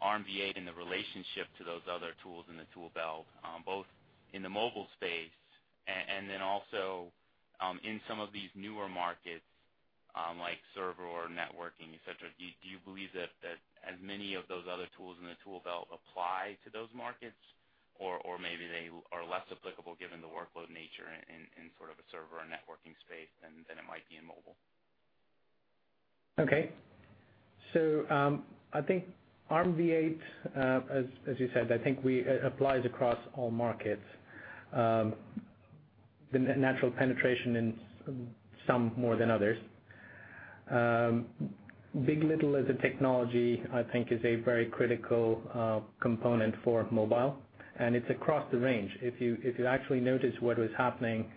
Armv8 and the relationship to those other tools in the tool belt, both in the mobile space and also in some of these newer markets, like server or networking, et cetera. Do you believe that as many of those other tools in the tool belt apply to those markets? Maybe they are less applicable given the workload nature in sort of a server or networking space than it might be in mobile. I think Armv8, as you said, I think applies across all markets. The natural penetration in some more than others. big. LITTLE as a technology, I think, is a very critical component for mobile, and it's across the range. If you actually notice what was happening,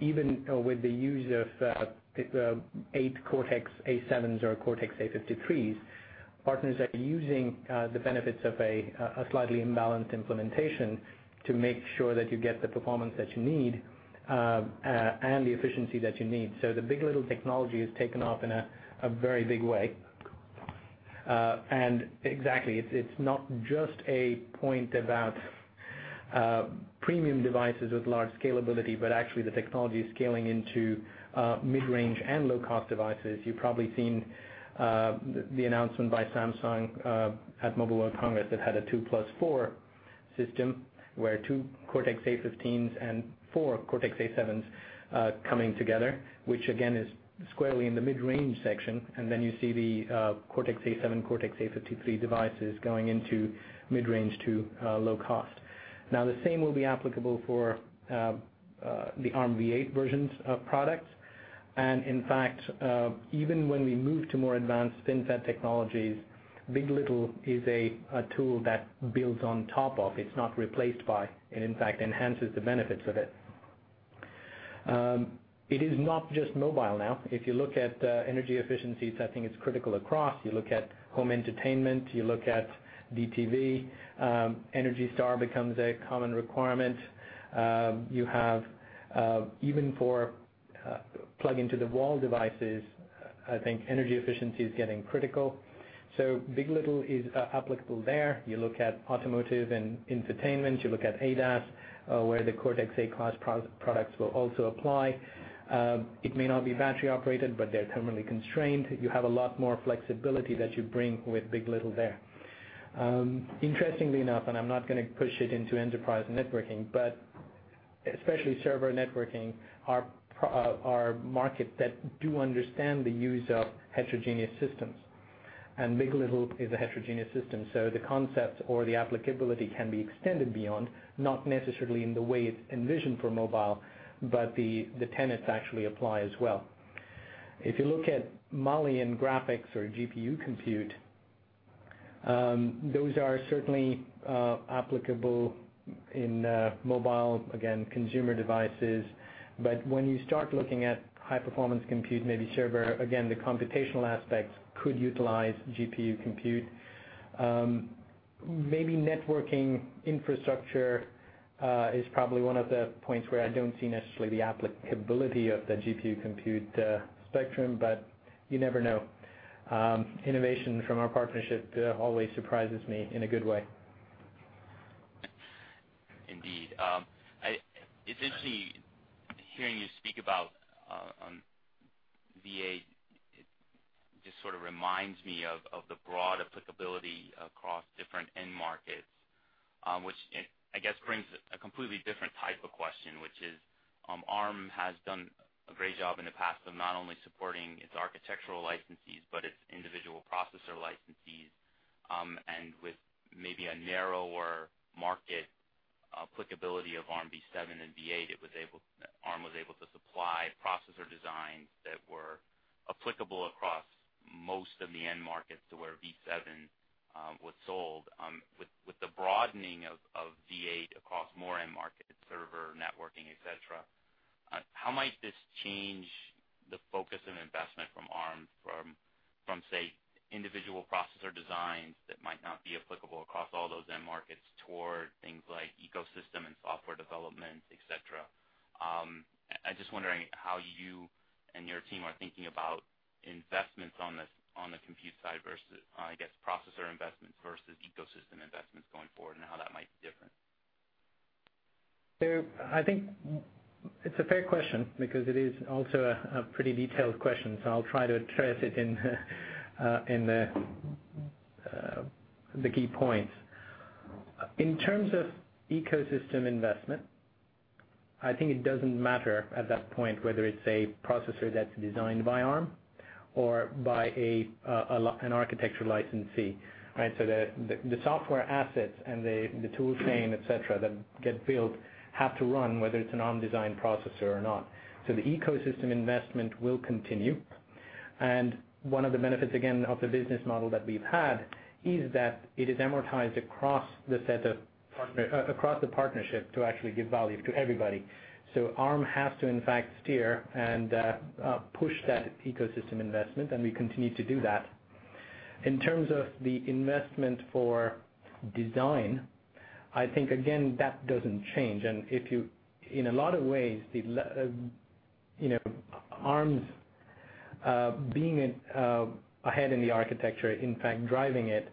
even with the use of eight Cortex-A7s or Cortex-A53s, partners are using the benefits of a slightly imbalanced implementation to make sure that you get the performance that you need and the efficiency that you need. The big. LITTLE technology has taken off in a very big way. Exactly, it's not just a point about premium devices with large scalability, but actually the technology is scaling into mid-range and low-cost devices. You've probably seen the announcement by Samsung at Mobile World Congress that had a 2-plus-4 system, where two Cortex-A15s and four Cortex-A7s coming together, which again is squarely in the mid-range section, and then you see the Cortex-A7, Cortex-A53 devices going into mid-range to low cost. The same will be applicable for the Armv8 versions of products. In fact, even when we move to more advanced FinFET technologies, big. LITTLE is a tool that builds on top of. It's not replaced by, and in fact, enhances the benefits of it. It is not just mobile now. If you look at energy efficiencies, I think it's critical across. You look at home entertainment, you look at DTV, ENERGY STAR becomes a common requirement. Even for plug into the wall devices, I think energy efficiency is getting critical. big. LITTLE is applicable there. You look at automotive and infotainment, you look at ADAS, where the Cortex-A class products will also apply. It may not be battery operated, but they're terminally constrained. You have a lot more flexibility that you bring with big. LITTLE there. Interestingly enough, I'm not going to push it into enterprise networking, especially server networking, are markets that do understand the use of heterogeneous systems. big. LITTLE is a heterogeneous system, the concepts or the applicability can be extended beyond, not necessarily in the way it's envisioned for mobile, but the tenets actually apply as well. If you look at Mali and graphics or GPU compute, those are certainly applicable in mobile, again, consumer devices. When you start looking at high-performance compute, maybe server, again, the computational aspects could utilize GPU compute. Maybe networking infrastructure is probably one of the points where I don't see necessarily the applicability of the GPU compute spectrum, but you never know. Innovation from our partnership always surprises me in a good way. Indeed. Essentially, hearing you speak about v8 just sort of reminds me of the broad applicability across different end markets, which I guess brings a completely different type of question, which is, Arm has done a great job in the past of not only supporting its architectural licensees, but its individual processor licensees. With maybe a narrower market applicability of v7 and v8, Arm was able to supply processor designs that were applicable across most of the end markets to where v7 was sold. With the broadening of v8 across more end markets, server, networking, et cetera, how might this change the focus of investment from Arm from, say, individual processor designs that might not be applicable across all those end markets, toward things like ecosystem and software development, et cetera? I'm just wondering how you and your team are thinking about investments on the compute side versus, I guess, processor investments versus ecosystem investments going forward, how that might be different. I think it's a fair question because it is also a pretty detailed question. I'll try to address it in the key points. In terms of ecosystem investment, I think it doesn't matter at that point whether it's a processor that's designed by Arm or by an architecture licensee. Right? The software assets and the tool chain, et cetera, that get built have to run, whether it's an Arm-designed processor or not. The ecosystem investment will continue. One of the benefits, again, of the business model that we've had is that it is amortized across the partnership to actually give value to everybody. Arm has to in fact steer and push that ecosystem investment. We continue to do that. In terms of the investment for design, I think, again, that doesn't change. In a lot of ways, Arm being ahead in the architecture, in fact, driving it,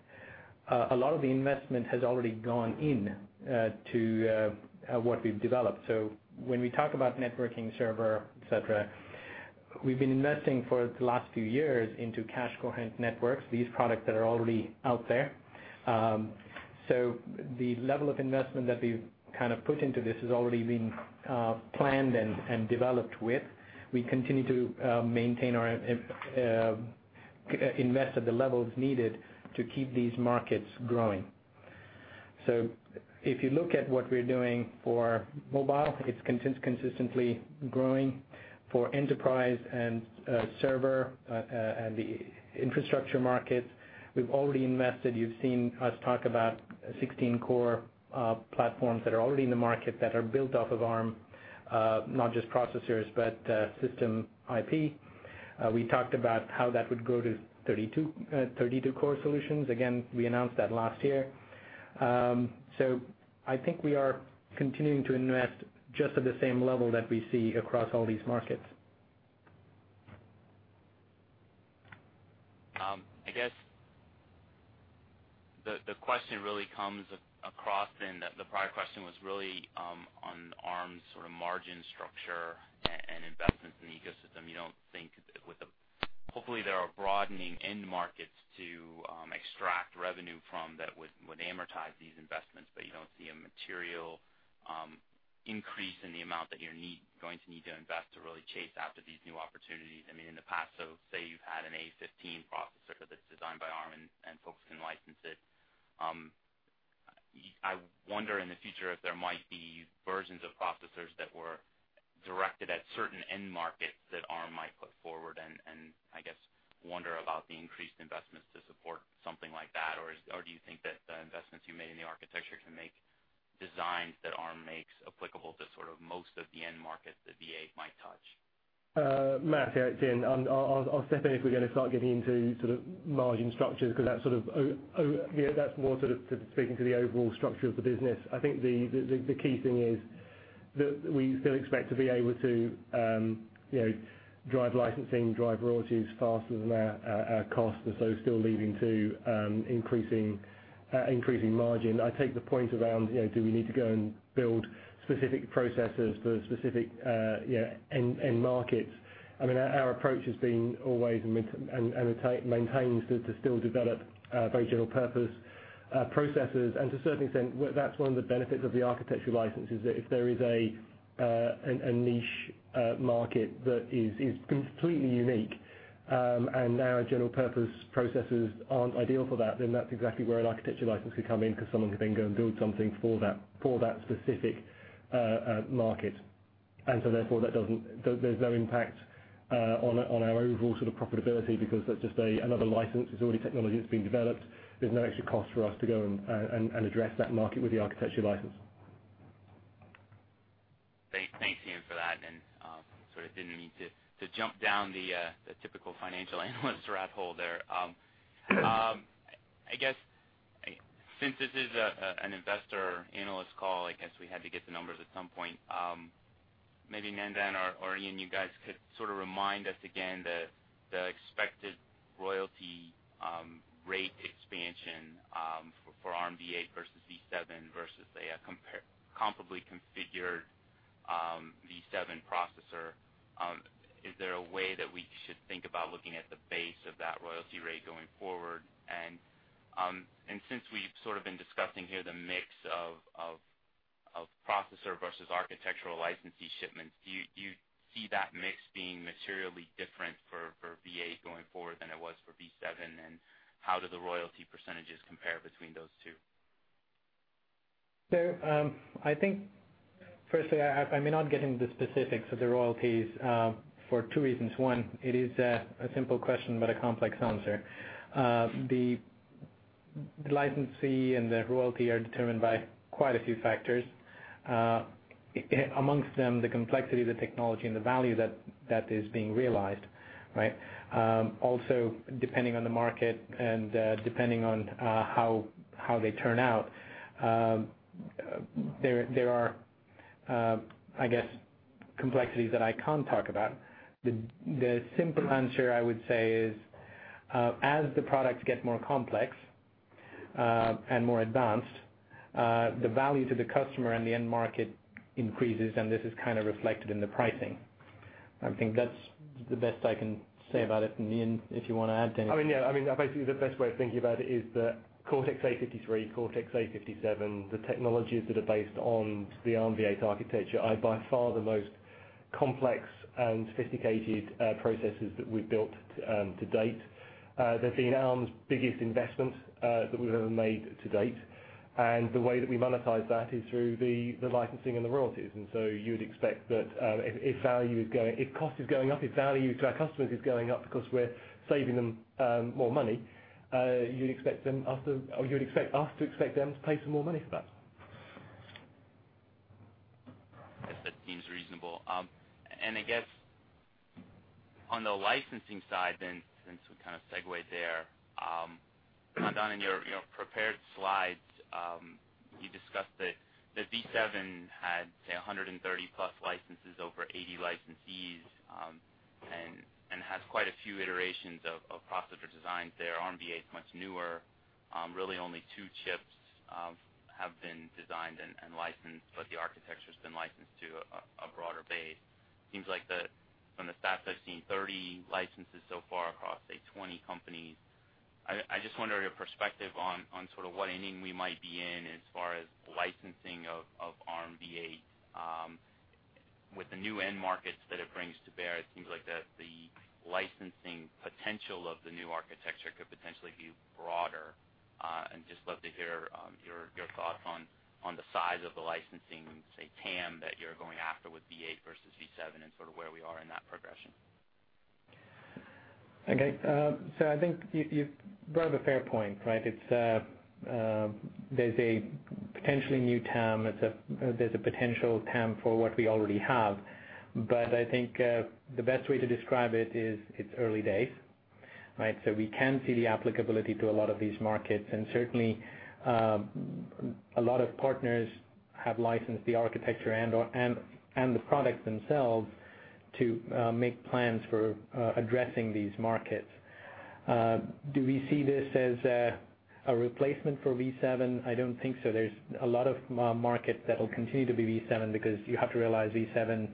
a lot of the investment has already gone into what we've developed. When we talk about networking server, et cetera, we've been investing for the last few years into cache-coherent networks, these products that are already out there. The level of investment that we've put into this has already been planned and developed with. We continue to invest at the levels needed to keep these markets growing. If you look at what we're doing for mobile, it's consistently growing. For enterprise and server and the infrastructure markets, we've already invested. You've seen us talk about 16-core platforms that are already in the market that are built off of Arm, not just processors, but system IP. We talked about how that would go to 32-core solutions. Again, we announced that last year. I think we are continuing to invest just at the same level that we see across all these markets. I guess the question really comes across in the prior question was really on Arm's sort of margin structure and investments in the ecosystem. Hopefully, there are broadening end markets to extract revenue from that would amortize these investments, but you don't see a material increase in the amount that you're going to need to invest to really chase after these new opportunities. In the past, say you've had an A15 processor that's designed by Arm and focused and licensed it. I wonder, in the future, if there might be versions of processors that were directed at certain end markets that Arm might forward and I guess wonder about the increased investments to support something like that. Or do you think that the investments you made in the architecture can make designs that Arm makes applicable to most of the end markets that V8 might touch? Matt here, it's Ian. I'll step in if we're going to start getting into margin structures, because that's more speaking to the overall structure of the business. I think the key thing is that we still expect to be able to drive licensing, drive royalties faster than our costs, so still leading to increasing margin. I take the point around do we need to go and build specific processors for specific end markets. Our approach has been always, and maintains, to still develop very general-purpose processors. To a certain extent, that's one of the benefits of the architecture license, is that if there is a niche market that is completely unique and our general-purpose processors aren't ideal for that, then that's exactly where an architecture license could come in, because someone could then go and build something for that specific market. Therefore, there's no impact on our overall profitability because that's just another license. It's already technology that's been developed. There's no extra cost for us to go and address that market with the architecture license. Thanks, Ian, for that. Sorry, didn't mean to jump down the typical financial analyst rabbit hole there. No. I guess since this is an investor analyst call, I guess we had to get the numbers at some point. Maybe Nandan or Ian, you guys could remind us again the expected royalty rate expansion for Armv8 versus v7 versus a comparably configured v7 processor. Is there a way that we should think about looking at the base of that royalty rate going forward? Since we've been discussing here the mix of processor versus architectural licensee shipments, do you see that mix being materially different for v8 going forward than it was for v7, and how do the royalty percentages compare between those two? I think firstly, I may not get into the specifics of the royalties for two reasons. One, it is a simple question but a complex answer. The licensee and the royalty are determined by quite a few factors, among them the complexity of the technology and the value that is being realized, right? Also, depending on the market and depending on how they turn out, there are, I guess, complexities that I can't talk about. The simple answer, I would say, is as the products get more complex and more advanced, the value to the customer and the end market increases, and this is kind of reflected in the pricing. I think that's the best I can say about it. Ian, if you want to add anything. I mean, basically, the best way of thinking about it is the Cortex-A53, Cortex-A57, the technologies that are based on the Armv8 architecture are by far the most complex and sophisticated processors that we've built to date. They've been Arm's biggest investment that we've ever made to date. The way that we monetize that is through the licensing and the royalties. You would expect that if cost is going up, if value to our customers is going up because we're saving them more money, you'd expect us to expect them to pay some more money for that. Yes, that seems reasonable. I guess on the licensing side then, since we kind of segued there. Nandan, in your prepared slides, you discussed that v7 had, say, 130 plus licenses over 80 licensees, and has quite a few iterations of processor designs there. Armv8 is much newer. Really only two chips have been designed and licensed, but the architecture's been licensed to a broader base. Seems like from the stats I've seen, 30 licenses so far across, say, 20 companies. I just wonder your perspective on sort of what inning we might be in as far as licensing of Armv8. With the new end markets that it brings to bear, it seems like the licensing potential of the new architecture could potentially be broader. Just love to hear your thoughts on the size of the licensing, say, TAM, that you're going after with Armv8 versus v7, and sort of where we are in that progression. Okay. I think you brought up a fair point, right? There's a potentially new TAM. There's a potential TAM for what we already have. I think the best way to describe it is it's early days, right? We can see the applicability to a lot of these markets, and certainly a lot of partners have licensed the architecture and the products themselves to make plans for addressing these markets. Do we see this as a replacement for v7? I don't think so. There's a lot of markets that will continue to be v7 because you have to realize v7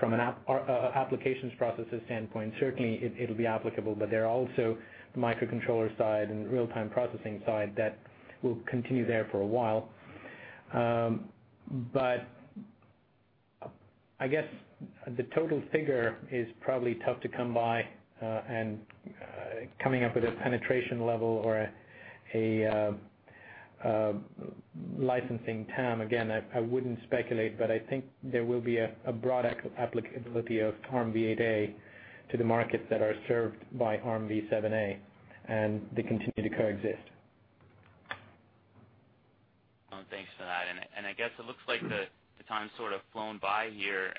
from an applications processes standpoint, certainly it'll be applicable, but there are also microcontroller side and real-time processing side that will continue there for a while. I guess the total figure is probably tough to come by. Coming up with a penetration level or a licensing TAM, again, I wouldn't speculate. I think there will be a broad applicability of Armv8 to the markets that are served by Armv7, and they continue to coexist. Thanks for that. I guess it looks like the time sort of flown by here.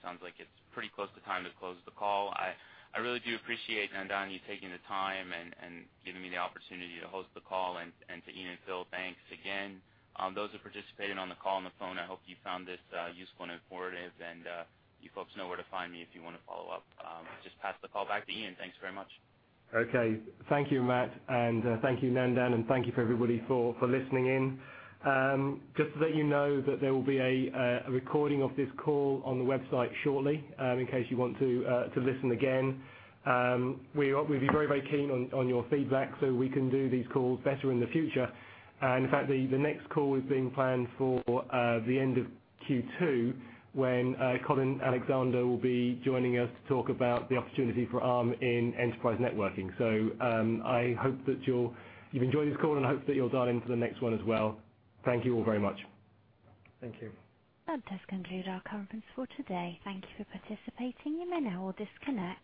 Sounds like it's pretty close to time to close the call. I really do appreciate, Nandan, you taking the time and giving me the opportunity to host the call. To Ian and Phil, thanks again. Those who participated on the call on the phone, I hope you found this useful and informative. You folks know where to find me if you want to follow up. Just pass the call back to Ian. Thanks very much. Okay. Thank you, Matt. Thank you, Nandan. Thank you for everybody for listening in. Just to let you know that there will be a recording of this call on the website shortly, in case you want to listen again. We'd be very keen on your feedback so we can do these calls better in the future. The next call is being planned for the end of Q2, when Colin Alexander will be joining us to talk about the opportunity for Arm in enterprise networking. I hope that you've enjoyed this call and I hope that you'll dial into the next one as well. Thank you all very much. Thank you. That does conclude our conference for today. Thank you for participating. You may now disconnect.